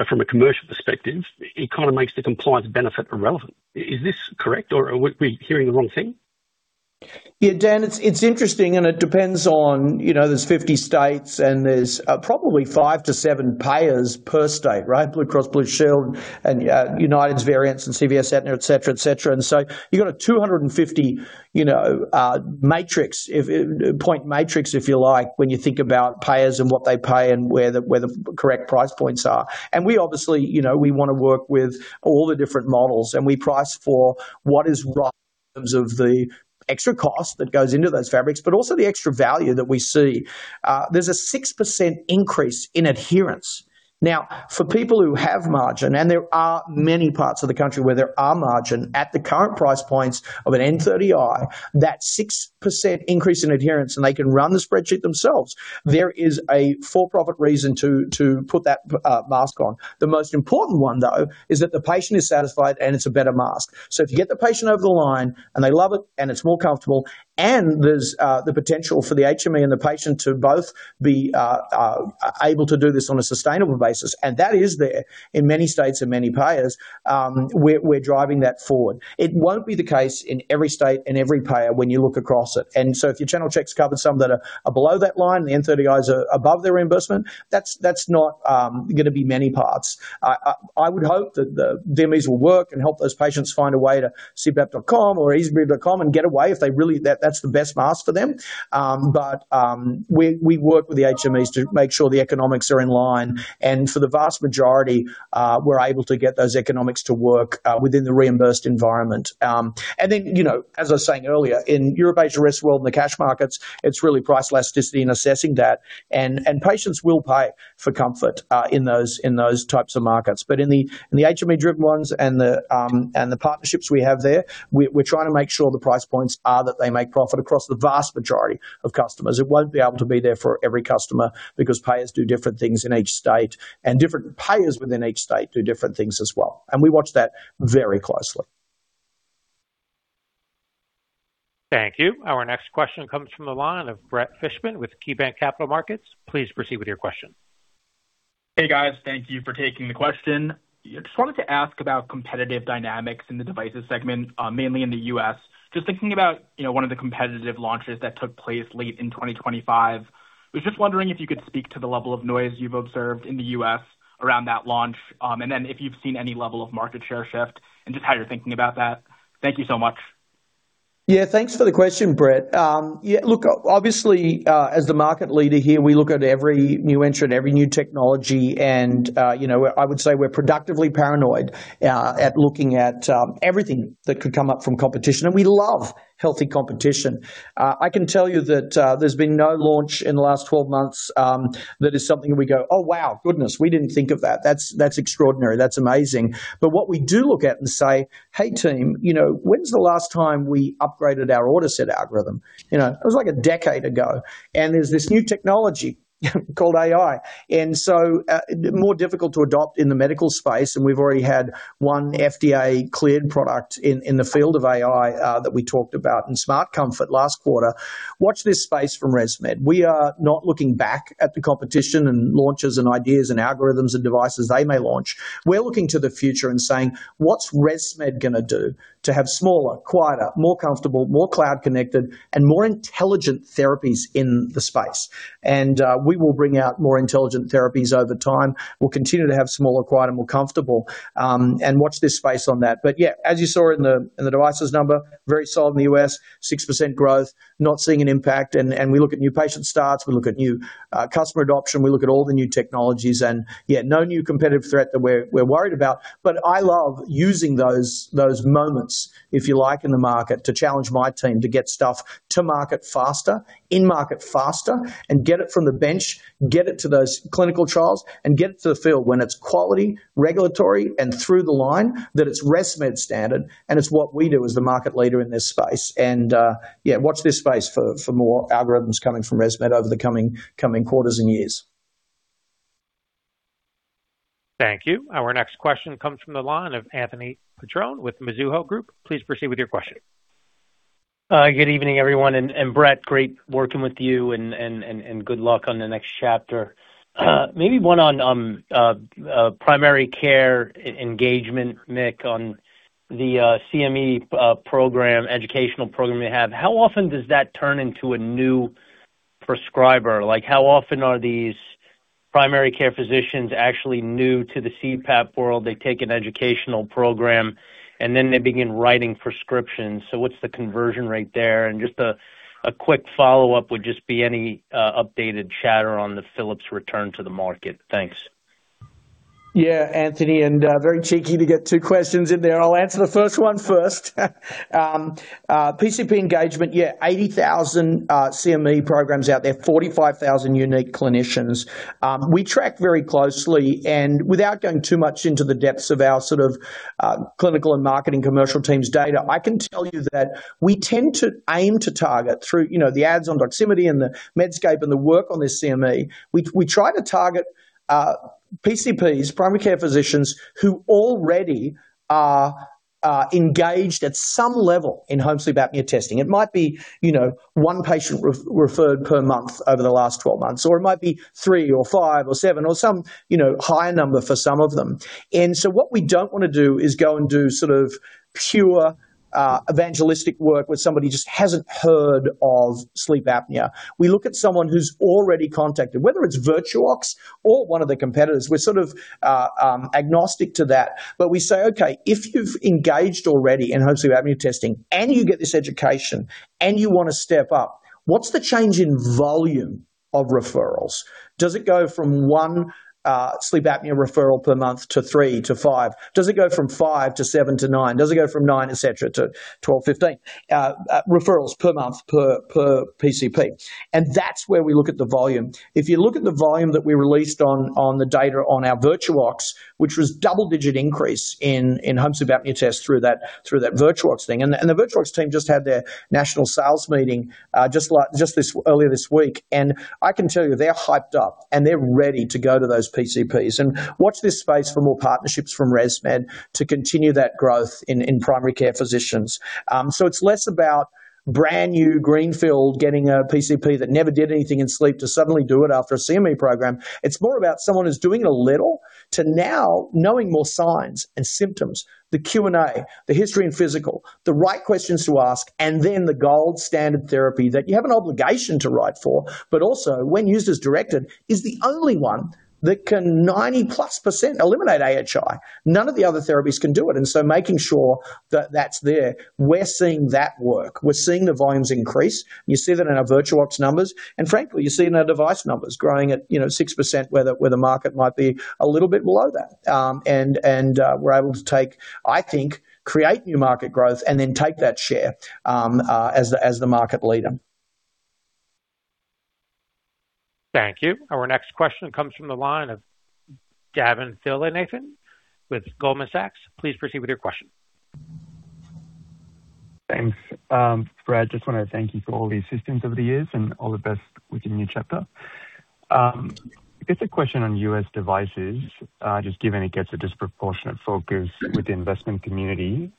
From a commercial perspective, it kind of makes the compliance benefit irrelevant. Is this correct, or are we hearing the wrong thing? Yeah, Dan, it's interesting. It depends on, you know, there's 50 states and there's probably five to seven payers per state, right? Blue Cross Blue Shield, United's variants, CVS, Aetna, et cetera, et cetera. You've got a 250, you know, matrix if point matrix, if you like, when you think about payers and what they pay and where the correct price points are. We obviously, you know, we wanna work with all the different models, and we price for what is right in terms of the extra cost that goes into those fabrics, but also the extra value that we see. There's a 6% increase in adherence. For people who have margin, and there are many parts of the country where there are margin at the current price points of an N30i, that 6% increase in adherence, and they can run the spreadsheet themselves. There is a for-profit reason to put that mask on. The most important one, though, is that the patient is satisfied, and it's a better mask. If you get the patient over the line and they love it and it's more comfortable, and there's the potential for the HME and the patient to both be able to do this on a sustainable basis, and that is there in many states and many payers, we're driving that forward. It won't be the case in every state and every payer when you look across it. If your channel checks covered some that are below that line, the N30is are above their reimbursement, that's not gonna be many parts. I would hope that the DMEs will work and help those patients find a way to cpap.com or easypap.com and get away if they really that's the best mask for them. We work with the HMEs to make sure the economics are in line. For the vast majority, we're able to get those economics to work within the reimbursed environment. You know, as I was saying earlier, in Europe, Asia, Rest of World, in the cash markets, it's really price elasticity and assessing that. Patients will pay for comfort in those types of markets. In the HME-driven ones and the partnerships we have there, we're trying to make sure the price points are that they make profit across the vast majority of customers. It won't be able to be there for every customer because payers do different things in each state, and different payers within each state do different things as well. We watch that very closely. Thank you. Our next question comes from the line of Brett Fishbin with KeyBanc Capital Markets. Please proceed with your question. Hey, guys. Thank you for taking the question. Just wanted to ask about competitive dynamics in the devices segment, mainly in the U.S. Just thinking about, you know, one of the competitive launches that took place late in 2025. Was just wondering if you could speak to the level of noise you've observed in the U.S. around that launch, and then if you've seen any level of market share shift and just how you're thinking about that. Thank you so much. Yeah. Thanks for the question, Brett. Yeah, look, obviously, as the market leader here, we look at every new entrant, every new technology and, you know, I would say we're productively paranoid at looking at everything that could come up from competition, and we love healthy competition. I can tell you that there's been no launch in the last 12 months that is something we go, Oh, wow. Goodness, we didn't think of that. That's, that's extraordinary. That's amazing. What we do look at and say, Hey, team, you know, when's the last time we upgraded our AutoSet algorithm? You know, it was like a decade ago. There's this new technology called AI, more difficult to adopt in the medical space, and we've already had one FDA-cleared product in the field of AI that we talked about in SmartComfort last quarter. Watch this space from ResMed. We are not looking back at the competition and launches, and ideas, and algorithms, and devices they may launch. We're looking to the future and saying, What's ResMed gonna do to have smaller, quieter, more comfortable, more cloud connected and more intelligent therapies in the space? We will bring out more intelligent therapies over time. We'll continue to have smaller, quieter, more comfortable, and watch this space on that. Yeah, as you saw in the devices number, very solid in the U.S., 6% growth, not seeing an impact. We look at new patient starts, we look at new customer adoption, we look at all the new technologies and yeah, no new competitive threat that we're worried about. I love using those moments, if you like, in the market to challenge my team to get stuff to market faster, in market faster and get it from the bench, get it to those clinical trials and get it to the field when it's quality, regulatory, and through the line that it's ResMed standard, and it's what we do as the market leader in this space. Yeah, watch this space for more algorithms coming from ResMed over the coming quarters and years. Thank you. Our next question comes from the line of Anthony Petrone with Mizuho Group. Please proceed with your question. Good evening, everyone. Brett, great working with you and good luck on the next chapter. Maybe one on primary care engagement, Mick, on the CME program, educational program you have. How often does that turn into a new prescriber? Like, how often are these primary care physicians actually new to the CPAP world? They take an educational program, then they begin writing prescriptions. What's the conversion rate there? Just a quick follow-up would just be any updated chatter on the Philips return to the market. Thanks. Anthony, very cheeky to get two questions in there. I'll answer the first one first. PCP engagement, 80,000 CME programs out there, 45,000 unique clinicians. We track very closely, without going too much into the depths of our sort of clinical and marketing commercial teams data, I can tell you that we tend to aim to target through, you know, the ads on Doximity and the Medscape and the work on this CME. We try to target PCPs, primary care physicians, who already are engaged at some level in home sleep apnea testing. It might be, you know, one patient re-referred per month over the last 12 months, or it might be three or five or seven or some, you know, higher number for some of them. What we don't wanna do is go and do sort of pure, evangelistic work where somebody just hasn't heard of sleep apnea. We look at someone who's already contacted, whether it's Virtuox or one of the competitors. We're sort of agnostic to that. We say, Okay, if you've engaged already in home sleep apnea testing and you get this education and you wanna step up, what's the change in volume of referrals? Does it go from one sleep apnea referral per month to three to five? Does it go from five to seven to nine? Does it go from nine, et cetera, to 12, 15 referrals per month per PCP? That's where we look at the volume. If you look at the volume that we released on the data on our Virtuox, which was double-digit increase in home sleep apnea tests through that, through that Virtuox thing. The Virtuox team just had their national sales meeting earlier this week. I can tell you they're hyped up, and they're ready to go to those PCPs. Watch this space for more partnerships from ResMed to continue that growth in primary care physicians. It's less about brand-new greenfield getting a PCP that never did anything in sleep to suddenly do it after a CME program. It's more about someone who's doing a little to now knowing more signs and symptoms, the Q&A, the history and physical, the right questions to ask, and then the gold standard therapy that you have an obligation to write for. Also, when used as directed, is the only one that can 90 plus% eliminate AHI. None of the other therapies can do it. Making sure that that's there, we're seeing that work. We're seeing the volumes increase. You see that in our Virtuox numbers. Frankly, you see it in our device numbers growing at, you know, 6% where the, where the market might be a little bit below that. We're able to take, I think, create new market growth and then take that share, as the market leader. Thank you. Our next question comes from the line of Davin Thillainathan with Goldman Sachs. Please proceed with your question. Thanks. Brett, just wanna thank you for all the assistance over the years and all the best with your new chapter. I guess a question on U.S. devices, just given it gets a disproportionate focus with the investment community.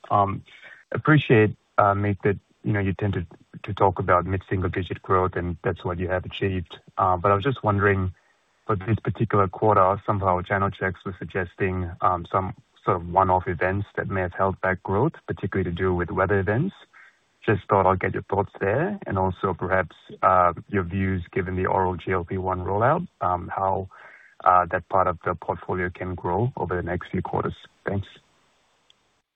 Appreciate, mate, that, you know, you tend to talk about mid-single digit growth, and that's what you have achieved. But I was just wondering for this particular quarter, some of our channel checks were suggesting some sort of one-off events that may have held back growth, particularly to do with weather events. Just thought I'd get your thoughts there and also perhaps your views given the oral GLP-1 rollout, how that part of the portfolio can grow over the next few quarters. Thanks.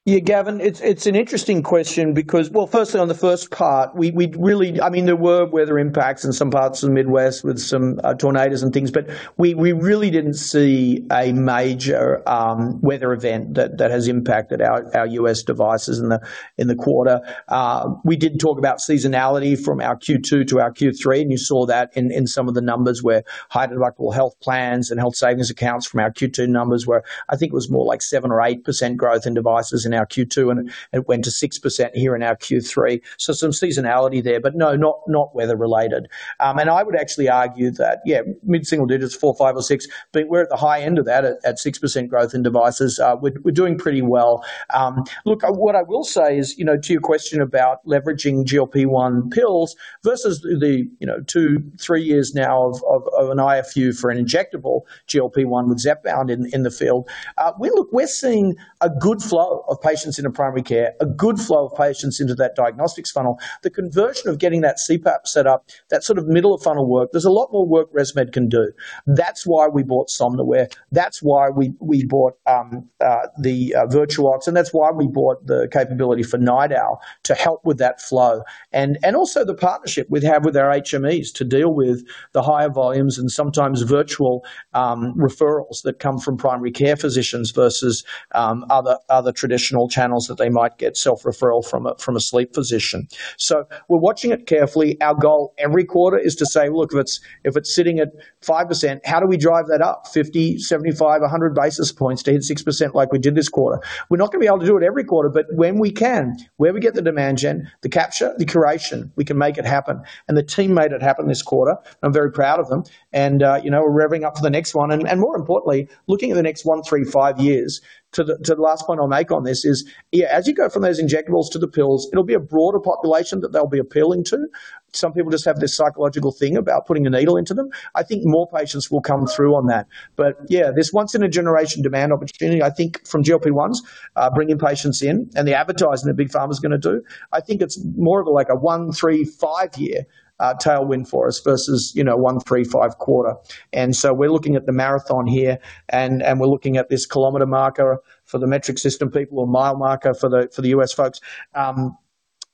Yeah, Davin, it's an interesting question. Well, firstly, on the first part, we really, I mean, there were weather impacts in some parts of the Midwest with some tornadoes and things, but we really didn't see a major weather event that has impacted our U.S. devices in the quarter. We did talk about seasonality from our Q2 to our Q3, and you saw that in some of the numbers where high deductible health plans and health savings accounts from our Q2 numbers were, I mean, I think it was more like 7% or 8% growth in devices in our Q2, and it went to 6% here in our Q3. Some seasonality there, but no, not weather related. I would actually argue that, yeah, mid-single digits, four, five or six, but we're at the high end of that at 6% growth in devices. We're doing pretty well. Look, what I will say is, you know, to your question about leveraging GLP-1 pills versus the, you know, two, three years now of an IFU for an injectable GLP-1 with Zepbound in the field. Look, we're seeing a good flow of patients into primary care, a good flow of patients into that diagnostics funnel. The conversion of getting that CPAP set up, that sort of middle-of-funnel work, there's a lot more work ResMed can do. That's why we bought Somnowar. That's why we bought Virtuox, and that's why we bought the capability for NightOwl to help with that flow. Also the partnership we have with our HMEs to deal with the higher volumes and sometimes virtual referrals that come from primary care physicians versus other traditional channels that they might get self-referral from a sleep physician. We're watching it carefully. Our goal every quarter is to say, Look, if it's sitting at 5%, how do we drive that up 50, 75, 100 basis points to hit 6% like we did this quarter? We're not gonna be able to do it every quarter, but when we can, where we get the demand gen, the capture, the curation, we can make it happen. The team made it happen this quarter. I'm very proud of them. You know, we're revving up for the next one. More importantly, looking at the next one, three, five years to the last point I'll make on this is, as you go from those injectables to the pills, it'll be a broader population that they'll be appealing to. Some people just have this psychological thing about putting a needle into them. I think more patients will come through on that. This once-in-a-generation demand opportunity, I think from GLP-1s, bringing patients in and the advertising that Big Pharma's gonna do, I think it's more of like a one, three, five year tailwind for us versus, you know, one, three, five quarter. We're looking at the marathon here, and we're looking at this kilometer marker for the metric system people or mile marker for the U.S. folks.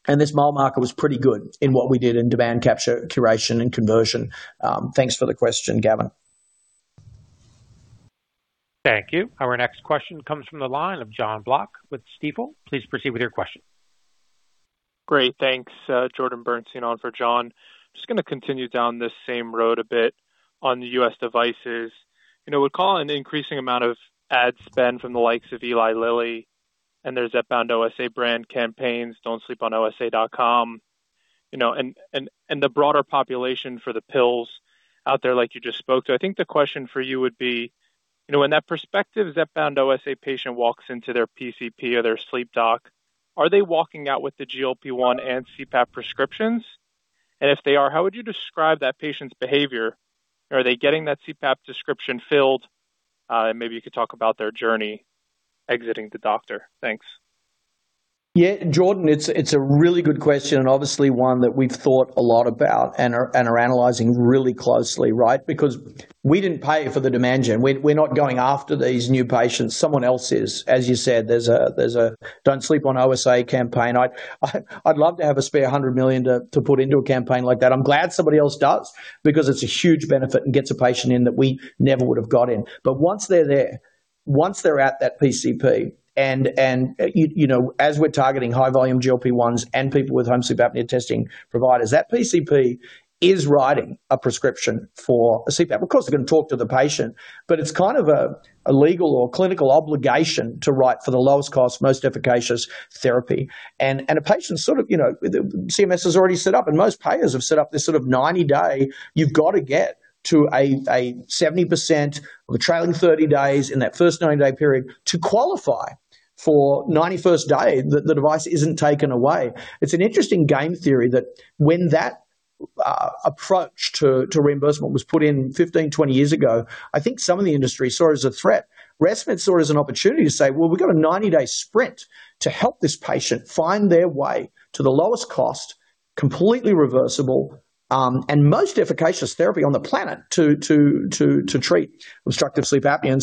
This mile marker was pretty good in what we did in demand capture, curation, and conversion. Thanks for the question, Davin. Thank you. Our next question comes from the line of Jon Block with Stifel. Please proceed with your question. Great. Thanks. Jordan Bernstein on for Jon. Just gonna continue down this same road a bit on the U.S. devices. You know, we're calling an increasing amount of ad spend from the likes of Eli Lilly, and Zepbound OSA brand campaigns, DontSleepOnOSA.com. You know, and the broader population for the pills out there, like you just spoke to. I think the question for you would be, you know, when that perspective Zepbound OSA patient walks into their PCP or their sleep doc, are they walking out with the GLP-1 and CPAP prescriptions? If they are, how would you describe that patient's behavior? Are they getting that CPAP prescription filled? And maybe you could talk about their journey exiting the doctor. Thanks. Jordan, it's a really good question and obviously one that we've thought a lot about and are analyzing really closely, right? We didn't pay for the demand gen. We're not going after these new patients. Someone else is. As you said, there's a DontSleepOnOSA.com campaign. I'd love to have a spare $100 million to put into a campaign like that. I'm glad somebody else does because it's a huge benefit and gets a patient in that we never would've got in. Once they're there, once they're at that PCP and you know, as we're targeting high volume GLP-1s and people with home sleep apnea testing providers, that PCP is writing a prescription for a CPAP. Of course, they're gonna talk to the patient, but it's kind of a legal or clinical obligation to write for the lowest cost, most efficacious therapy. A patient sort of, you know, CMS has already set up and most payers have set up this sort of 90 day, you've got to get to a 70% of a trailing 30 days in that first 90-day period to qualify for 91st day that the device isn't taken away. It's an interesting game theory that when that approach to reimbursement was put in 15, 20 years ago, I think some of the industry saw it as a threat. ResMed saw it as an opportunity to say, We've got a 90-day sprint to help this patient find their way to the lowest cost, completely reversible, and most efficacious therapy on the planet to treat obstructive sleep apnea.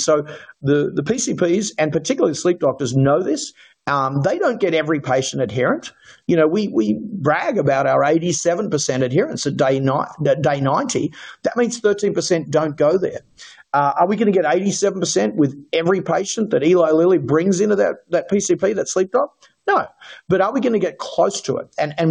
The PCPs, and particularly the sleep doctors know this, they don't get every patient adherent. You know, we brag about our 87% adherence at day 90. That means 13% don't go there. Are we gonna get 87% with every patient that Eli Lilly brings into that PCP, that sleep doc? No. Are we gonna get close to it?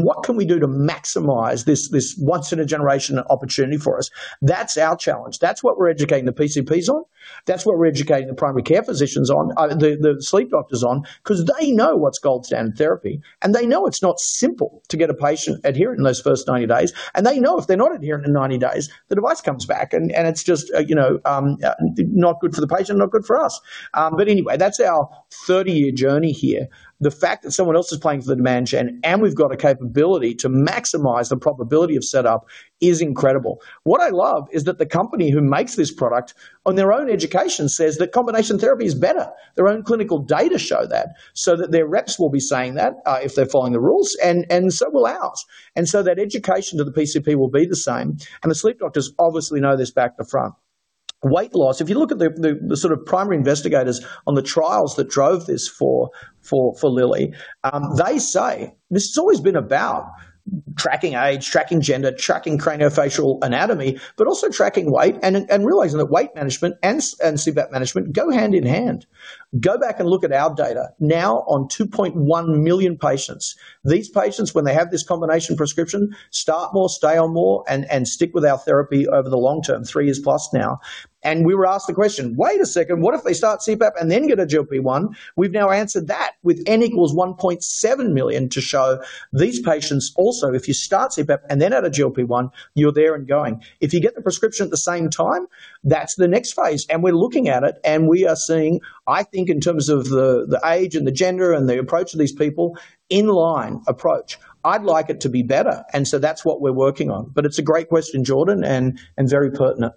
What can we do to maximize this once in a generation opportunity for us? That's our challenge. That's what we're educating the PCPs on. That's what we're educating the primary care physicians on, the sleep doctors on, 'cause they know what's gold standard therapy. They know it's not simple to get a patient adherent in those first 90 days. They know if they're not adherent in 90 days, the device comes back and it's just, you know, not good for the patient, not good for us. Anyway, that's our 30 year journey here. The fact that someone else is paying for the demand gen and we've got a capability to maximize the probability of setup is incredible. What I love is that the company who makes this product on their own education says that combination therapy is better. Their own clinical data show that their reps will be saying that if they're following the rules and so will ours. That education to the PCP will be the same. The sleep doctors obviously know this back to front. Weight loss. If you look at the sort of primary investigators on the trials that drove this for Lilly, they say this has always been about tracking age, tracking gender, tracking craniofacial anatomy, but also tracking weight and realizing that weight management and sleep apnea management go hand in hand. Go back and look at our data now on 2.1 million patients. These patients, when they have this combination prescription, start more, stay on more, and stick with our therapy over the long term, three years plus now. We were asked the question, Wait a second, what if they start CPAP and then get a GLP-1? We've now answered that with N equals 1.7 million to show these patients also, if you start CPAP and then add a GLP-1, you're there and going. If you get the prescription at the same time, that's the next phase. We're looking at it, and we are seeing, I think, in terms of the age and the gender and the approach of these people, in line approach. I'd like it to be better. That's what we're working on. It's a great question, Jordan, and very pertinent.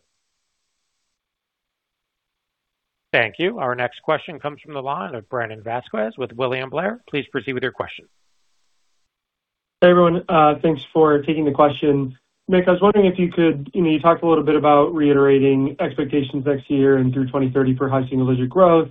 Thank you. Our next question comes from the line of Brandon Vazquez with William Blair. Please proceed with your question. Hey, everyone, thanks for taking the question. Mick, I was wondering if you could, you know, you talked a little bit about reiterating expectations next year and through 2030 for high single-digit growth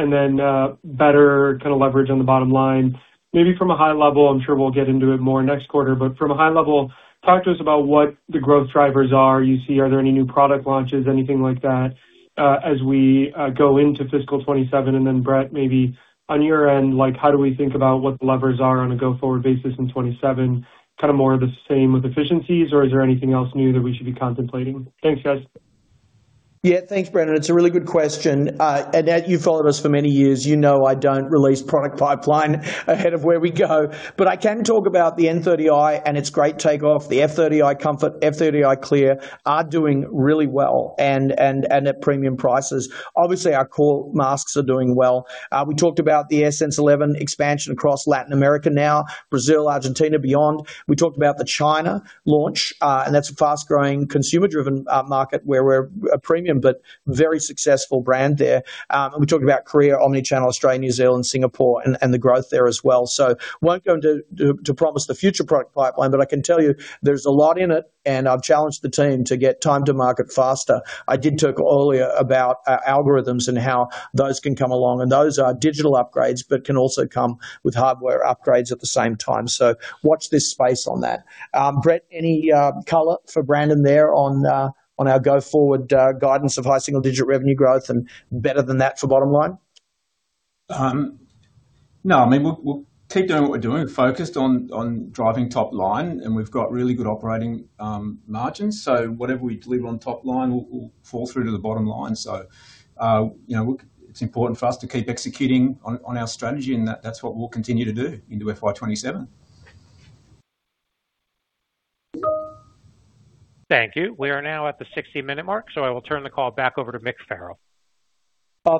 and then, better kind of leverage on the bottom line. Maybe from a high level, I'm sure we'll get into it more next quarter, but from a high level, talk to us about what the growth drivers are you see. Are there any new product launches, anything like that, as we go into fiscal 2027? Brett, maybe on your end, like how do we think about what the levers are on a go forward basis in 2027? Kind of more of the same with efficiencies or is there anything else new that we should be contemplating? Thanks, guys. Yeah. Thanks, Brandon. It's a really good question. As you followed us for many years, you know I don't release product pipeline ahead of where we go. I can talk about the N30i and its great takeoff. The F30i Comfort, F30i Clear are doing really well and at premium prices. Obviously, our core masks are doing well. We talked about the AirSense 11 expansion across Latin America now, Brazil, Argentina, beyond. We talked about the China launch, that's a fast-growing consumer-driven market where we're a premium but very successful brand there. We talked about Korea, omni-channel, Australia, New Zealand, Singapore and the growth there as well. Won't go into to promise the future product pipeline, but I can tell you there's a lot in it, and I've challenged the team to get time to market faster. I did talk earlier about algorithms and how those can come along, and those are digital upgrades but can also come with hardware upgrades at the same time. Watch this space on that. Brett, any color for Brandon there on our go-forward guidance of high single digit revenue growth and better than that for bottom line? No. I mean, we'll keep doing what we're doing. We're focused on driving top line, and we've got really good operating margins. Whatever we deliver on top line will fall through to the bottom line. You know, it's important for us to keep executing on our strategy, and that's what we'll continue to do into FY 2027. Thank you. We are now at the 60 minute mark, so I will turn the call back over to Mick Farrell.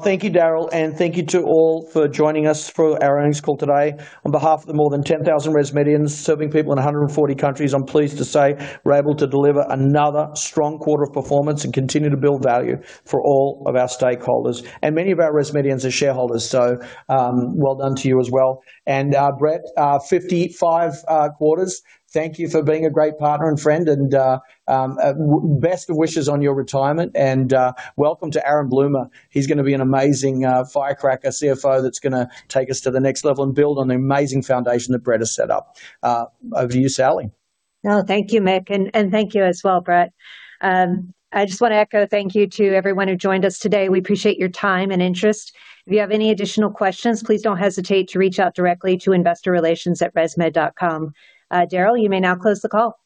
Thank you, Daryl, thank you to all for joining us for our earnings call today. On behalf of the more than 10,000 ResMedians serving people in 140 countries, I'm pleased to say we're able to deliver another strong quarter of performance and continue to build value for all of our stakeholders. Many of our ResMedians are shareholders, well done to you as well. Brett, 55 quarters. Thank you for being a great partner and friend, best of wishes on your retirement, welcome to Aaron Bloomer. He's gonna be an amazing firecracker CFO that's gonna take us to the next level and build on the amazing foundation that Brett has set up. Over to you, Salli. Thank you, Mick. Thank you as well, Brett. I just wanna echo thank you to everyone who joined us today. We appreciate your time and interest. If you have any additional questions, please don't hesitate to reach out directly to investorrelations@resmed.com. Daryl, you may now close the call.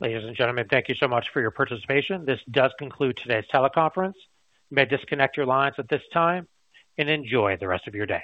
Ladies and gentlemen, thank you so much for your participation. This does conclude today's teleconference. You may disconnect your lines at this time, and enjoy the rest of your day.